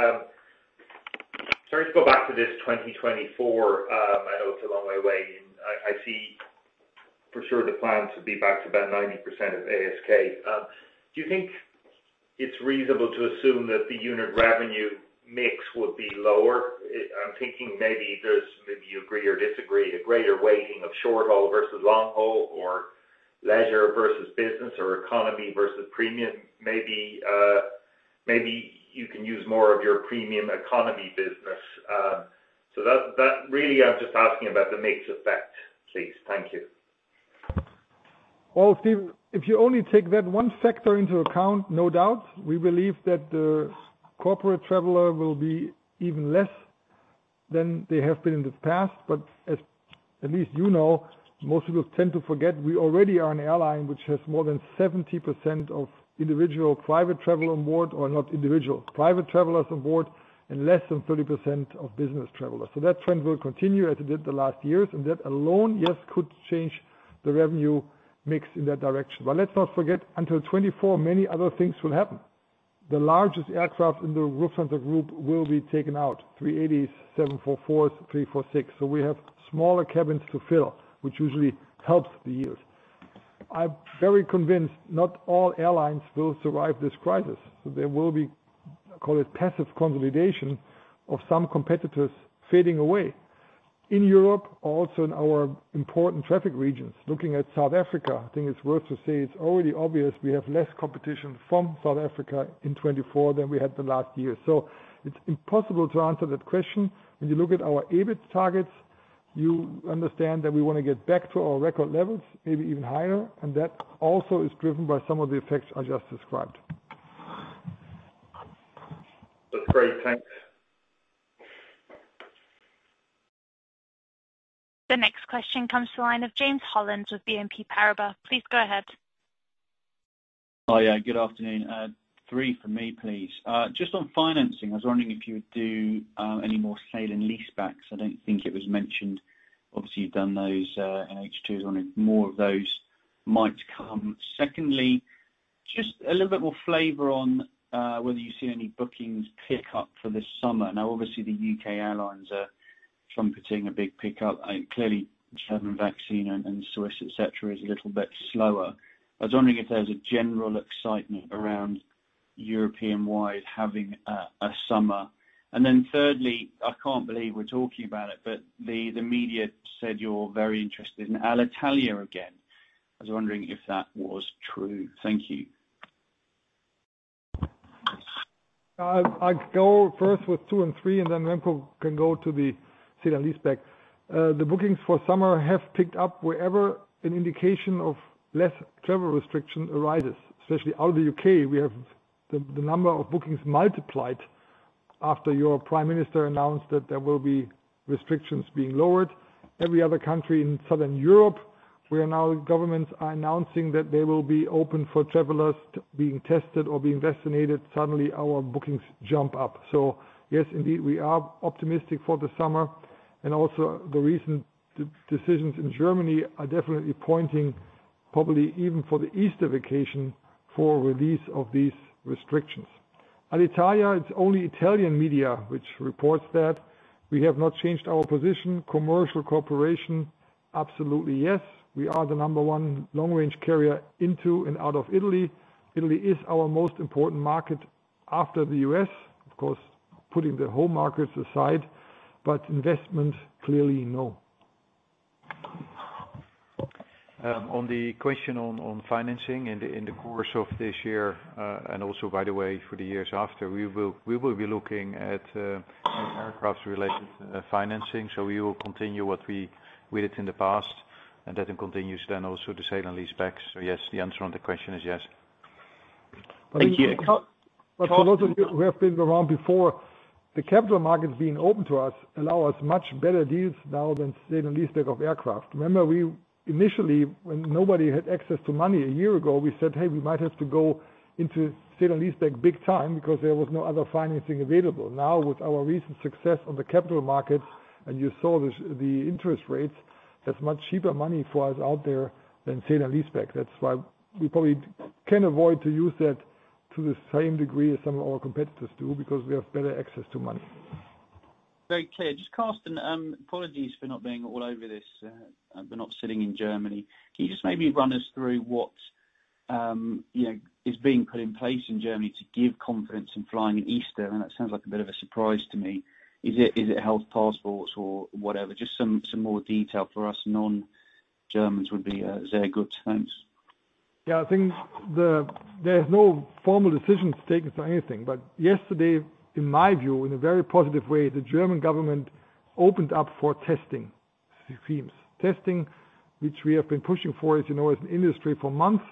Speaker 7: Sorry to go back to this 2024. I know it's a long way away, and I see for sure the plan to be back to about 90% of ASK. Do you think it's reasonable to assume that the unit revenue mix would be lower? I'm thinking maybe there's, maybe you agree or disagree, a greater weighting of short-haul versus long-haul, or leisure versus business, or economy versus premium. Maybe you can use more of your premium economy business. That, really, I'm just asking about the mix effect, please. Thank you.
Speaker 2: Well, Stephen, if you only take that one factor into account, no doubt, we believe that the corporate traveler will be even less than they have been in the past. As at least you know, most people tend to forget, we already are an airline which has more than 70% of individual private travel on board, or not individual, private travelers on board, and less than 30% of business travelers. That trend will continue as it did the last years, and that alone, yes, could change the revenue mix in that direction. Let's not forget, until 2024, many other things will happen. The largest aircraft in the Lufthansa Group will be taken out, A380s, 747-400s, A340. We have smaller cabins to fill, which usually helps the yield. I'm very convinced not all airlines will survive this crisis. There will be, call it passive consolidation of some competitors fading away. In Europe, also in our important traffic regions. Looking at South Africa, I think it's worth to say it's already obvious we have less competition from South Africa in 2024 than we had the last year. It's impossible to answer that question. When you look at our EBIT targets, you understand that we want to get back to our record levels, maybe even higher, and that also is driven by some of the effects I just described. That's great. Thanks.
Speaker 4: The next question comes to the line of James Hollins with BNP Paribas. Please go ahead.
Speaker 8: Hi. Good afternoon. Three from me, please. Just on financing, I was wondering if you would do any more sale and lease backs. I don't think it was mentioned. Obviously, you've done those in H2s, wondering if more of those might come. Secondly, just a little bit more flavor on whether you see any bookings pick up for this summer. Obviously, the U.K. airlines are trumpeting a big pickup. Clearly, the German vaccine and Swiss, et cetera, is a little bit slower. I was wondering if there's a general excitement around European-wide having a summer. Thirdly, I can't believe we're talking about it, the media said you're very interested in Alitalia again. I was wondering if that was true. Thank you.
Speaker 2: I'll go first with two and three, and then Remco can go to the sale and lease back. The bookings for summer have picked up wherever an indication of less travel restriction arises, especially out of the U.K. We have the number of bookings multiplied after your Prime Minister announced that there will be restrictions being lowered. Every other country in Southern Europe, where now governments are announcing that they will be open for travelers being tested or being vaccinated, suddenly our bookings jump up. Yes, indeed, we are optimistic for the summer, and also the recent decisions in Germany are definitely pointing probably even for the Easter vacation for release of these restrictions. Alitalia, it's only Italian media which reports that. We have not changed our position. Commercial cooperation, absolutely yes. We are the number one long-range carrier into and out of Italy. Italy is our most important market after the U.S., of course, putting the home markets aside, but investment, clearly no.
Speaker 3: On the question on financing in the course of this year, and also by the way, for the years after, we will be looking at aircraft related financing. We will continue what we did in the past, and that it continues then also the sale and lease backs. Yes, the answer on the question is yes.
Speaker 8: Thank you.
Speaker 2: For those of you who have been around before, the capital markets being open to us allow us much better deals now than sale and lease back of aircraft. We initially, when nobody had access to money a year ago, we said, "Hey, we might have to go into sale and lease back big time," because there was no other financing available. With our recent success on the capital markets, and you saw the interest rates, that's much cheaper money for us out there than sale and lease back. That's why we probably can avoid to use that to the same degree as some of our competitors do because we have better access to money.
Speaker 8: Very clear. Just Carsten, apologies for not being all over this, but not sitting in Germany. Can you just maybe run us through what is being put in place in Germany to give confidence in flying in Easter? That sounds like a bit of a surprise to me. Is it health passports or whatever? Just some more detail for us non-Germans would be very good. Thanks.
Speaker 2: Yeah, I think there's no formal decisions taken for anything. Yesterday, in my view, in a very positive way, the German government opened up for testing schemes. Testing, which we have been pushing for, as you know, as an industry for months,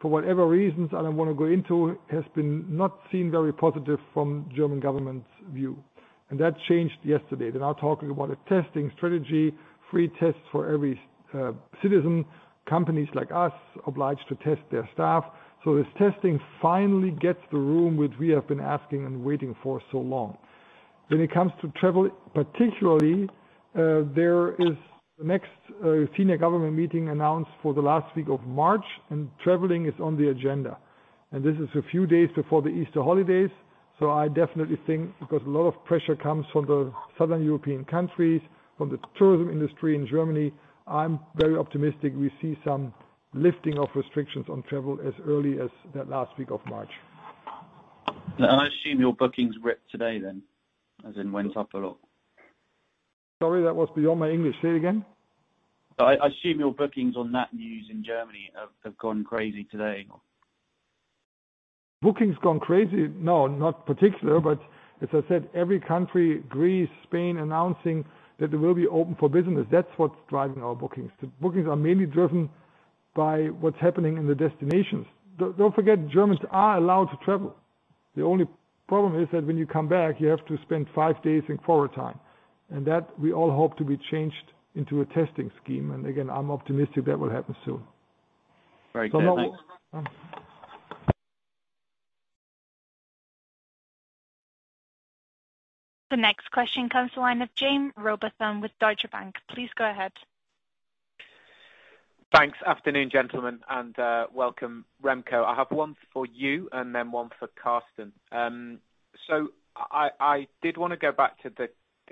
Speaker 2: for whatever reasons I don't want to go into, has been not seen very positive from German government's view. That changed yesterday. They're now talking about a testing strategy, free tests for every citizen, companies like us obliged to test their staff. This testing finally gets the room which we have been asking and waiting for so long. When it comes to travel, particularly, there is next senior government meeting announced for the last week of March, and traveling is on the agenda. This is a few days before the Easter holidays, so I definitely think because a lot of pressure comes from the Southern European countries, from the tourism industry in Germany, I'm very optimistic we see some lifting of restrictions on travel as early as that last week of March.
Speaker 8: I assume your bookings ripped today then, as in went up a lot?
Speaker 2: Sorry, that was beyond my English. Say it again.
Speaker 8: I assume your bookings on that news in Germany have gone crazy today.
Speaker 2: Bookings gone crazy? No, not particular. As I said, every country, Greece, Spain, announcing that they will be open for business. That's what's driving our bookings. The bookings are mainly driven by what's happening in the destinations. Don't forget, Germans are allowed to travel. The only problem is that when you come back, you have to spend five days in quarantine, and that we all hope to be changed into a testing scheme. Again, I'm optimistic that will happen soon.
Speaker 8: Very clear. Thanks.
Speaker 4: The next question comes to line of Jaime Rowbotham with Deutsche Bank. Please go ahead.
Speaker 9: Thanks. Afternoon, gentlemen, and welcome, Remco. I did want to go back to the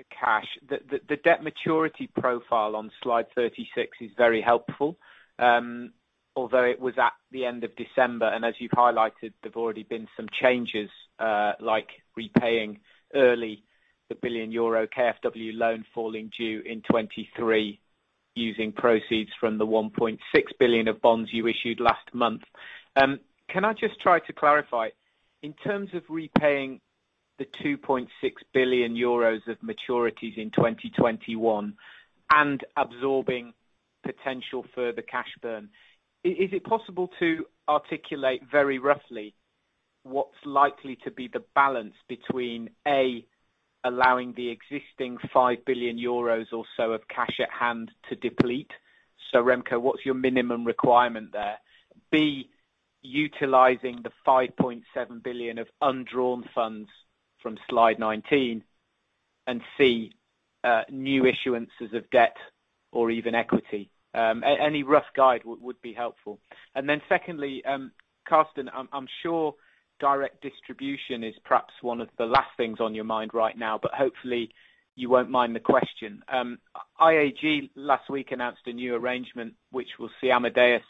Speaker 9: cash. The debt maturity profile on slide 36 is very helpful. Although it was at the end of December, and as you've highlighted, there've already been some changes, like repaying early the 1 billion euro KfW loan falling due in 2023 using proceeds from the 1.6 billion of bonds you issued last month. Can I just try to clarify, in terms of repaying the 2.6 billion euros of maturities in 2021 and absorbing potential further cash burn. Is it possible to articulate very roughly what's likely to be the balance between, A, allowing the existing 5 billion euros or so of cash at hand to deplete? Remco, what's your minimum requirement there? B, utilizing the 5.7 billion of undrawn funds from slide 19, C, new issuances of debt or even equity. Any rough guide would be helpful. Secondly, Carsten, I'm sure direct distribution is perhaps one of the last things on your mind right now, but hopefully you won't mind the question. IAG last week announced a new arrangement which will see Amadeus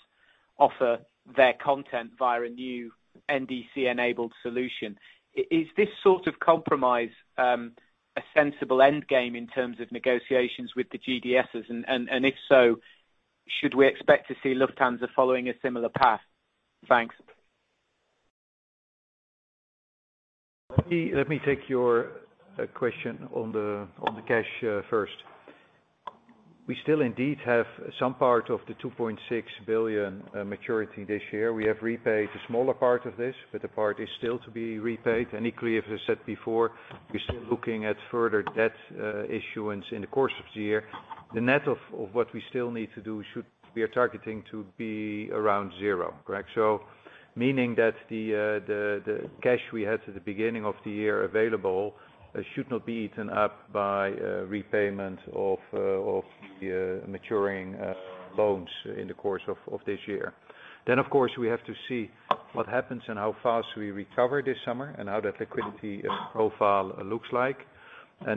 Speaker 9: offer their content via a new NDC-enabled solution. Is this sort of compromise a sensible end game in terms of negotiations with the GDSs, and if so, should we expect to see Lufthansa following a similar path? Thanks.
Speaker 3: Let me take your question on the cash first. We still indeed have some part of the €2.6 billion maturity this year. We have repaid the smaller part of this, but the part is still to be repaid. Equally, as I said before, we're still looking at further debt issuance in the course of the year. The net of what we still need to do, we are targeting to be around zero. Correct? Meaning that the cash we had at the beginning of the year available should not be eaten up by repayment of the maturing loans in the course of this year. Of course, we have to see what happens and how fast we recover this summer and how that liquidity profile looks like.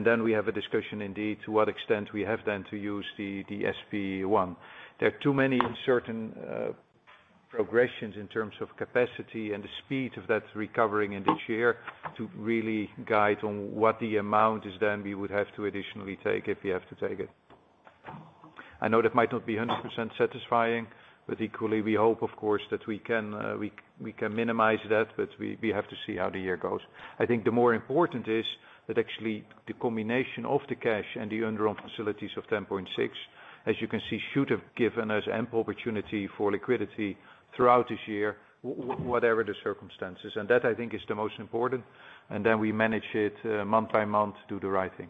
Speaker 3: Then we have a discussion indeed, to what extent we have then to use the SP1. There are too many uncertain progressions in terms of capacity and the speed of that recovering in this year to really guide on what the amount is, then we would have to additionally take if we have to take it. I know that might not be 100% satisfying, but equally, we hope, of course, that we can minimize that, but we have to see how the year goes. I think the more important is that actually the combination of the cash and the undrawn facilities of 10.6, as you can see, should have given us ample opportunity for liquidity throughout this year, whatever the circumstances. That, I think, is the most important, and then we manage it month by month, do the right thing.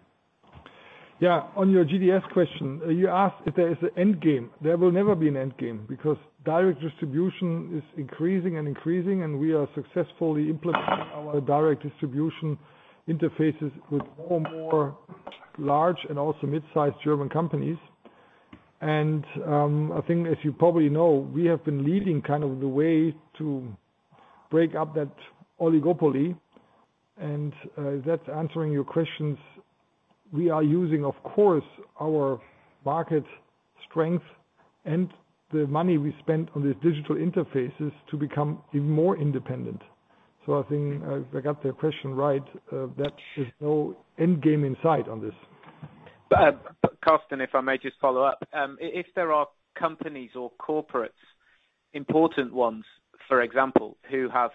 Speaker 2: On your GDS question, you asked if there is an end game. There will never be an end game because direct distribution is increasing and increasing, and we are successfully implementing our direct distribution interfaces with more and more large and also mid-sized German companies. I think, as you probably know, we have been leading the way to break up that oligopoly, and that's answering your questions. We are using, of course, our market strength and the money we spend on these digital interfaces to become even more independent. I think if I got the question right, that there's no end game in sight on this.
Speaker 9: Carsten, if I may just follow up. If there are companies or corporates, important ones, for example, who have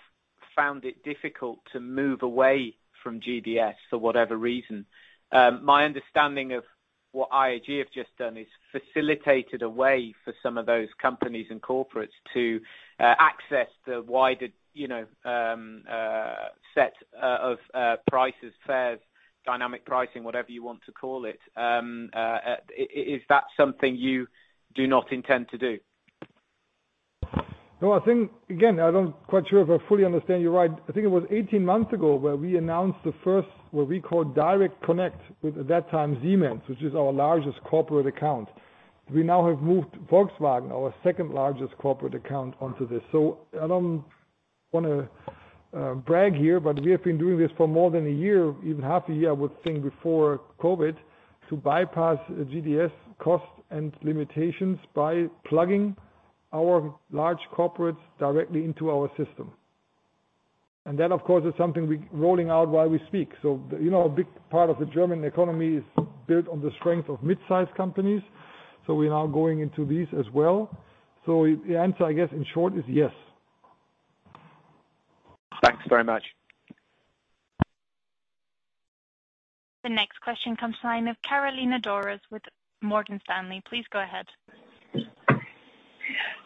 Speaker 9: found it difficult to move away from GDS for whatever reason, my understanding of what IAG have just done is facilitated a way for some of those companies and corporates to access the wider set of prices, fares, dynamic pricing, whatever you want to call it. Is that something you do not intend to do?
Speaker 2: No, I think, again, I'm not quite sure if I fully understand you right. I think it was 18 months ago where we announced the first, what we call direct connect with, at that time, Siemens, which is our largest corporate account. We now have moved Volkswagen, our second-largest corporate account, onto this. I don't want to brag here, but we have been doing this for more than a year, even half a year, I would think, before COVID, to bypass GDS costs and limitations by plugging our large corporates directly into our system. That, of course, is something we're rolling out while we speak. A big part of the German economy is built on the strength of mid-size companies, so we are now going into these as well. The answer, I guess, in short, is yes.
Speaker 9: Thanks very much.
Speaker 4: The next question comes line of Carolina Dores with Morgan Stanley. Please go ahead.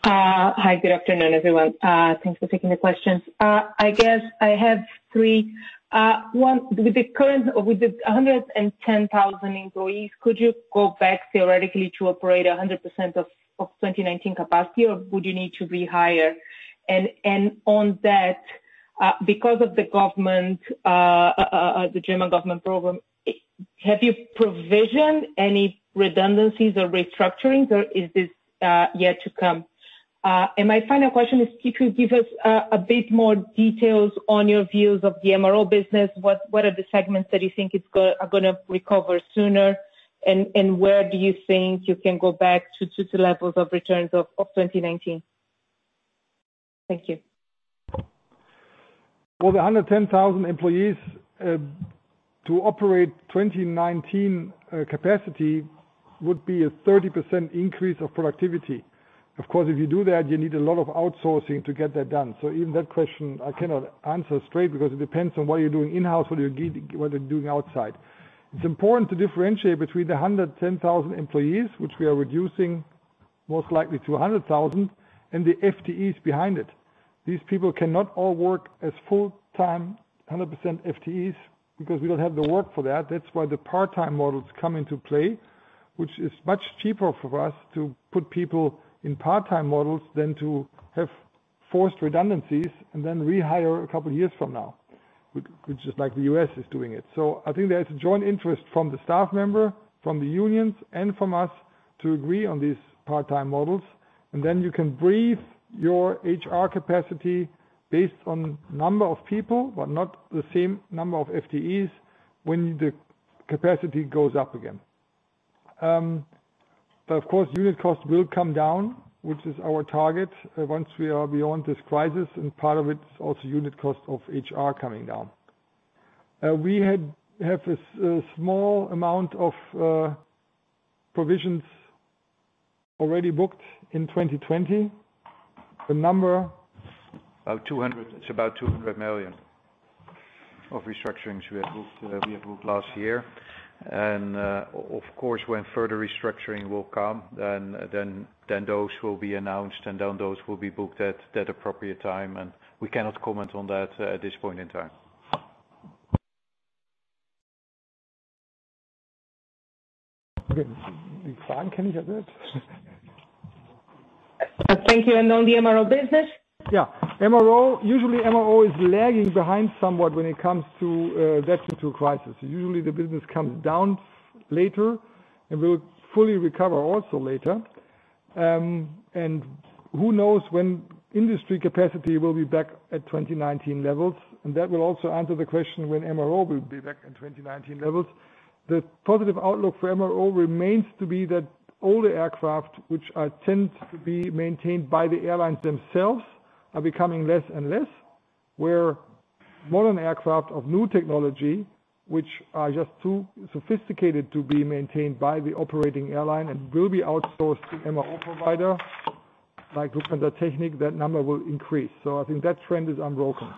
Speaker 10: Hi, good afternoon, everyone. Thanks for taking the questions. I guess I have three. One, with the 110,000 employees, could you go back theoretically to operate 100% of 2019 capacity, or would you need to rehire? On that, because of the German government program, have you provisioned any redundancies or restructurings, or is this yet to come? My final question is if you give us a bit more details on your views of the MRO business. What are the segments that you think are going to recover sooner, and where do you think you can go back to the levels of returns of 2019? Thank you.
Speaker 2: For the 110,000 employees to operate 2019 capacity would be a 30% increase of productivity. You need a lot of outsourcing to get that done. Even that question, I cannot answer straight because it depends on what you're doing in-house, what you're doing outside. It's important to differentiate between the 110,000 employees, which we are reducing most likely to 100,000, and the FTEs behind it. These people cannot all work as full-time, 100% FTEs because we don't have the work for that. That's why the part-time models come into play, which is much cheaper for us to put people in part-time models than to have forced redundancies and then rehire a couple of years from now, which is like the U.S. is doing it. I think there is a joint interest from the staff member, from the unions, and from us to agree on these part-time models, and then you can breathe your HR capacity based on number of people, but not the same number of FTEs when the capacity goes up again. Of course, unit cost will come down, which is our target once we are beyond this crisis, and part of it is also unit cost of HR coming down. We have a small amount of provisions already booked in 2020. The number-
Speaker 3: It's about 200 million of restructurings we have booked last year. Of course, when further restructuring will come, then those will be announced and then those will be booked at the appropriate time. We cannot comment on that at this point in time.
Speaker 10: Thank you. On the MRO business?
Speaker 2: Yeah. Usually MRO is lagging behind somewhat when it comes to dept to crisis. Usually, the business comes down later and will fully recover also later. Who knows when industry capacity will be back at 2019 levels? That will also answer the question when MRO will be back at 2019 levels. The positive outlook for MRO remains to be that older aircraft, which tend to be maintained by the airlines themselves, are becoming less and less, where modern aircraft of new technology, which are just too sophisticated to be maintained by the operating airline and will be outsourced to MRO provider like Lufthansa Technik, that number will increase. I think that trend is unbroken.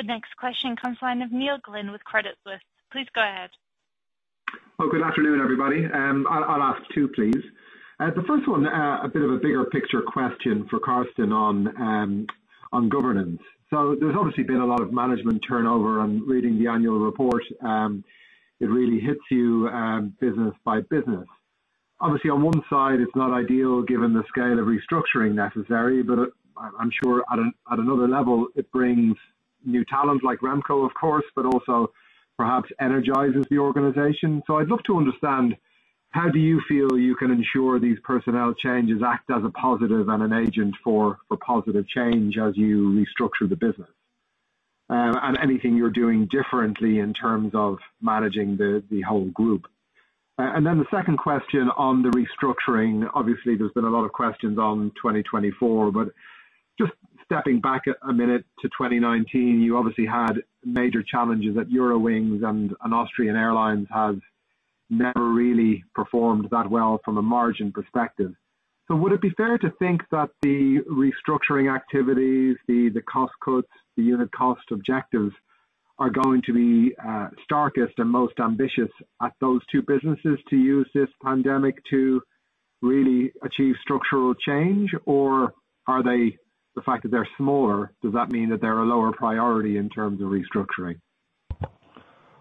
Speaker 10: Okay, thank you.
Speaker 4: The next question comes line of Neil Glynn with Credit Suisse. Please go ahead.
Speaker 11: Good afternoon, everybody. I'll ask two, please. The first one, a bit of a bigger picture question for Carsten on governance. There's obviously been a lot of management turnover. I'm reading the annual report, it really hits you business-by-business. Obviously, on one side, it's not ideal given the scale of restructuring necessary, but I'm sure at another level, it brings new talent like Remco, of course, but also perhaps energizes the organization. I'd love to understand how do you feel you can ensure these personnel changes act as a positive and an agent for positive change as you restructure the business? Anything you're doing differently in terms of managing the whole group? The second question on the restructuring, obviously, there has been a lot of questions on 2024, but just stepping back a minute to 2019, you obviously had major challenges at Eurowings and Austrian Airlines has never really performed that well from a margin perspective. Would it be fair to think that the restructuring activities, the cost cuts, the unit cost objectives are going to be starkest and most ambitious at those two businesses to use this pandemic to really achieve structural change? Are they, the fact that they are smaller, does that mean that they are a lower priority in terms of restructuring?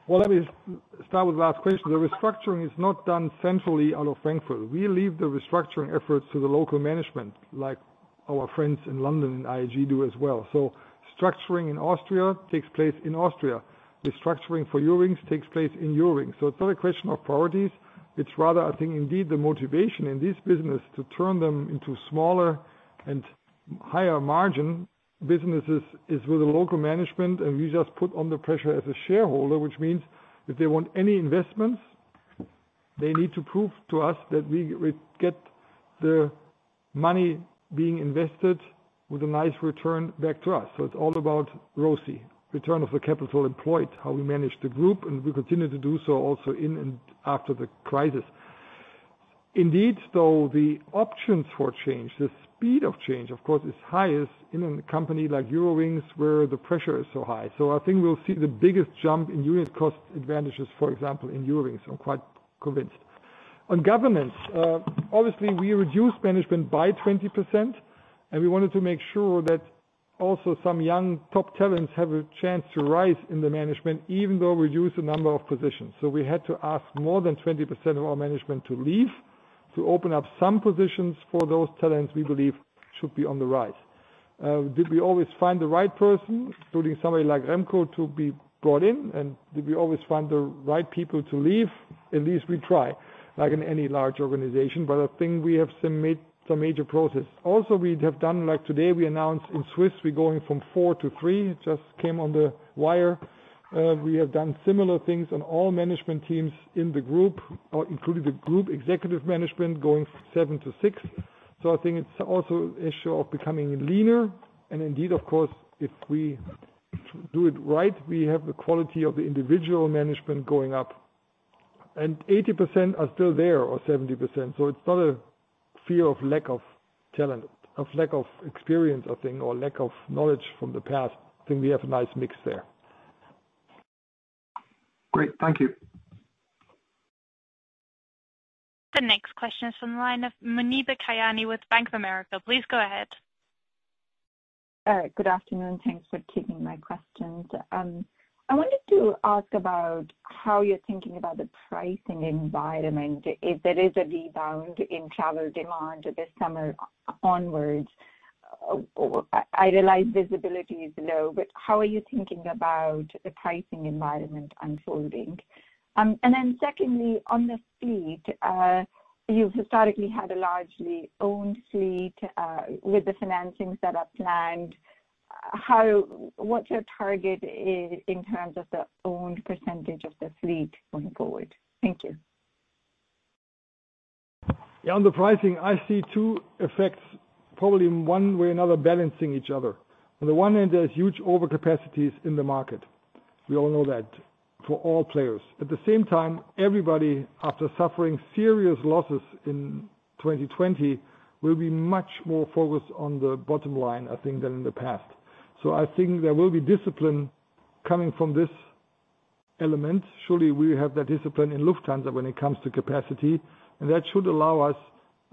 Speaker 2: Well, let me start with the last question. The restructuring is not done centrally out of Frankfurt. We leave the restructuring efforts to the local management, like our friends in London and IAG do as well. Structuring in Austria takes place in Austria. Restructuring for Eurowings takes place in Eurowings. It's not a question of priorities. It's rather, I think, indeed, the motivation in this business to turn them into smaller and higher margin businesses is with the local management, and we just put on the pressure as a shareholder, which means if they want any investments, they need to prove to us that we get the money being invested with a nice return back to us. It's all about ROCE, return of the capital employed, how we manage the group, and we continue to do so also in and after the crisis. Indeed, though, the options for change, the speed of change, of course, is highest in a company like Eurowings, where the pressure is so high. I think we'll see the biggest jump in unit cost advantages, for example, in Eurowings. I'm quite convinced. On governance, obviously we reduced management by 20%, and we wanted to make sure that also some young top talents have a chance to rise in the management, even though we reduced the number of positions. We had to ask more than 20% of our management to leave, to open up some positions for those talents we believe should be on the rise. Did we always find the right person, including somebody like Remco to be brought in? Did we always find the right people to leave? At least we try, like in any large organization. I think we have some major process. We have done, like today, we announced in Swiss, we're going from four to three. It just came on the wire. We have done similar things on all management teams in the group, including the Group Executive Management going seven to six. I think it's also an issue of becoming leaner and indeed, of course, if we do it right, we have the quality of the individual management going up. 80% are still there, or 70%. It's not a fear of lack of talent, of lack of experience, I think, or lack of knowledge from the past. I think we have a nice mix there.
Speaker 1: Great. Thank you.
Speaker 4: The next question is from the line of Muneeba Kayani with Bank of America. Please go ahead.
Speaker 12: Good afternoon. Thanks for taking my questions. I wanted to ask about how you're thinking about the pricing environment, if there is a rebound in travel demand this summer onwards. I realize visibility is low, how are you thinking about the pricing environment unfolding? Secondly, on the fleet, you've historically had a largely owned fleet, with the financings that are planned, what your target is in terms of the owned percentage of the fleet going forward. Thank you.
Speaker 2: On the pricing, I see two effects, probably in one way or another, balancing each other. On the one hand, there's huge overcapacities in the market. We all know that, for all players. At the same time, everybody, after suffering serious losses in 2020, will be much more focused on the bottom line, I think, than in the past. I think there will be discipline coming from this element. Surely we have that discipline in Lufthansa when it comes to capacity, and that should allow us,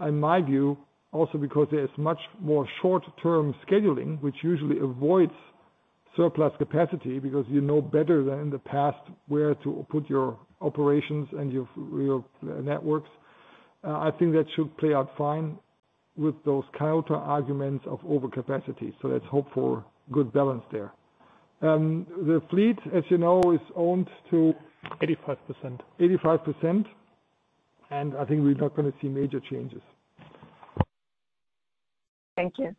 Speaker 2: in my view, also because there is much more short-term scheduling, which usually avoids surplus capacity because you know better than in the past where to put your operations and your networks. I think that should play out fine with those counterarguments of overcapacity. Let's hope for good balance there. The fleet, as you know, is owned to-
Speaker 1: 85%.
Speaker 2: 85%, I think we're not going to see major changes.
Speaker 12: Thank you.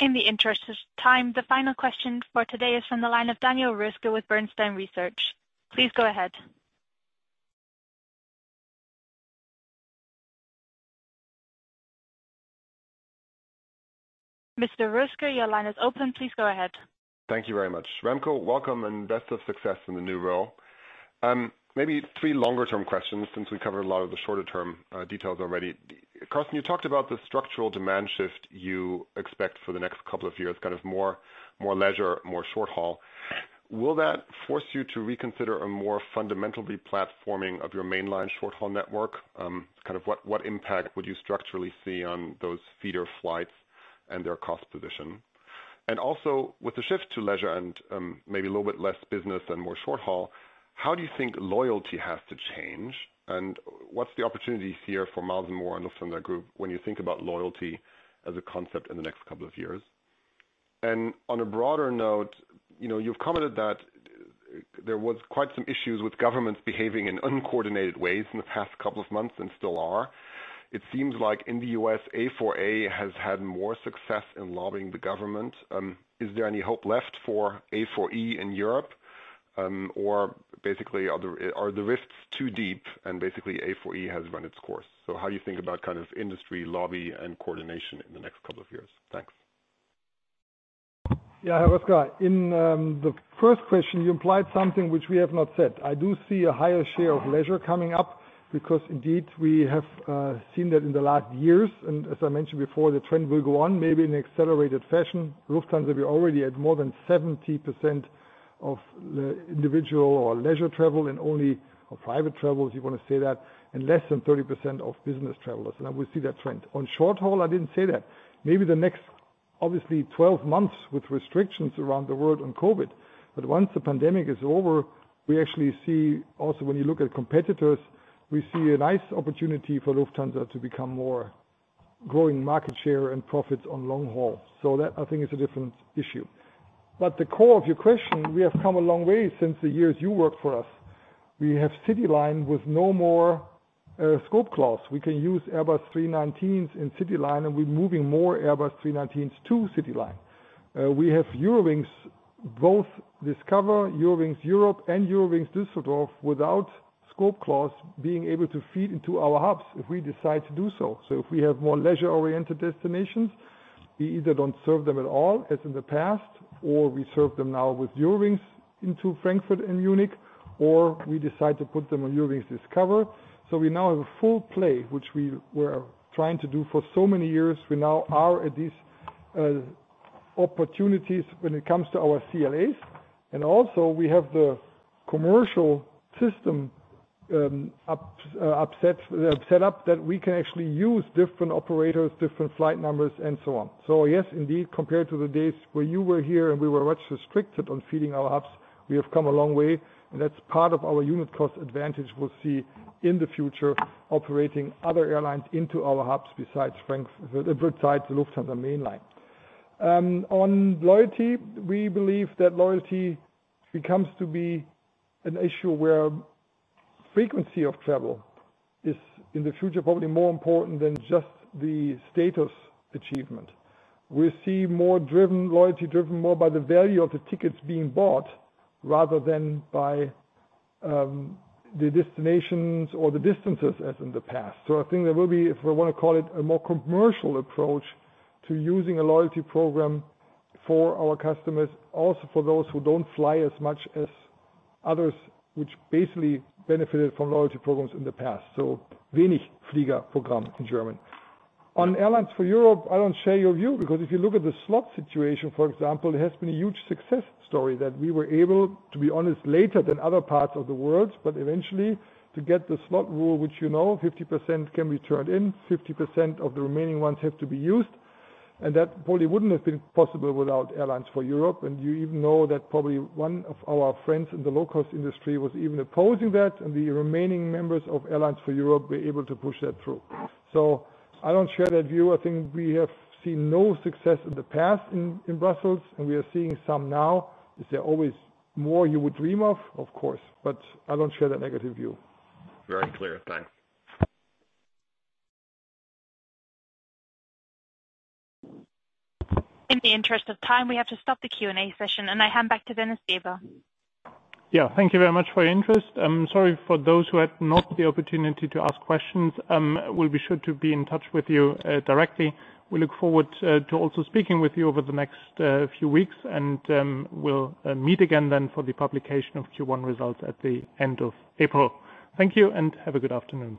Speaker 4: In the interest of time, the final question for today is from the line of Daniel Roeska with Bernstein Research. Please go ahead. Mr. Roeska, your line is open. Please go ahead.
Speaker 13: Thank you very much. Remco, welcome and best of success in the new role. Maybe three longer-term questions since we covered a lot of the shorter-term details already. Carsten, you talked about the structural demand shift you expect for the next couple of years, more leisure, more short haul. Will that force you to reconsider a more fundamental re-platforming of your mainline short haul network? What impact would you structurally see on those feeder flights and their cost position? Also, with the shift to leisure and maybe a little bit less business and more short haul, how do you think loyalty has to change? What's the opportunity here for Miles & More and Lufthansa Group when you think about loyalty as a concept in the next couple of years? On a broader note, you've commented that there was quite some issues with governments behaving in uncoordinated ways in the past couple of months and still are. It seems like in the U.S., A4A has had more success in lobbying the government. Is there any hope left for A4E in Europe? Basically, are the rifts too deep and basically A4E has run its course? How you think about industry lobby and coordination in the next couple of years? Thanks.
Speaker 2: Yeah, Roeska. In the first question, you implied something which we have not said. I do see a higher share of leisure coming up because indeed, we have seen that in the last years. As I mentioned before, the trend will go on maybe in an accelerated fashion. Lufthansa, we're already at more than 70% of individual or leisure travel and only private travels, if you want to say that, and less than 30% of business travelers, and I will see that trend. On short haul, I didn't say that. Maybe the next, obviously 12 months with restrictions around the world on COVID, but once the pandemic is over, we actually see also when you look at competitors, we see a nice opportunity for Lufthansa to become more growing market share and profits on long haul. That, I think, is a different issue. The core of your question, we have come a long way since the years you worked for us. We have CityLine with no more scope clause. We can use Airbus A319s in CityLine, and we're moving more Airbus A319s to CityLine. We have Eurowings, both Discover, Eurowings Europe, and Eurowings Düsseldorf without scope clause being able to feed into our hubs if we decide to do so. If we have more leisure-oriented destinations, we either don't serve them at all, as in the past, or we serve them now with Eurowings into Frankfurt and Munich, or we decide to put them on Eurowings Discover. We now have a full play, which we were trying to do for so many years. We now are at these opportunities when it comes to our CLAs. We have the commercial system set up that we can actually use different operators, different flight numbers, and so on. Yes, indeed, compared to the days where you were here and we were much restricted on feeding our hubs, we have come a long way, and that's part of our unit cost advantage we'll see in the future operating other airlines into our hubs besides the Lufthansa Mainline. On loyalty, we believe that loyalty becomes to be an issue where frequency of travel is, in the future, probably more important than just the status achievement. We see loyalty driven more by the value of the tickets being bought rather than by the destinations or the distances as in the past. I think there will be, if we want to call it, a more commercial approach to using a loyalty program for our customers, also for those who don't fly as much as others, which basically benefited from loyalty programs in the past. Wenigflieger program in German. On Airlines for Europe, I don't share your view because if you look at the slot situation, for example, it has been a huge success story that we were able, to be honest, later than other parts of the world, but eventually to get the slot rule, which you know, 50% can be turned in, 50% of the remaining ones have to be used. That probably wouldn't have been possible without Airlines for Europe. You even know that probably one of our friends in the low-cost industry was even opposing that, and the remaining members of Airlines for Europe were able to push that through. I don't share that view. I think we have seen no success in the past in Brussels, and we are seeing some now. Is there always more you would dream of? Of course, but I don't share that negative view.
Speaker 13: Very clear. Thanks.
Speaker 4: In the interest of time, we have to stop the Q&A session and I hand back to Dennis Weber.
Speaker 1: Yeah. Thank you very much for your interest. I'm sorry for those who had not the opportunity to ask questions. We'll be sure to be in touch with you directly. We look forward to also speaking with you over the next few weeks and we'll meet again then for the publication of Q1 results at the end of April. Thank you and have a good afternoon.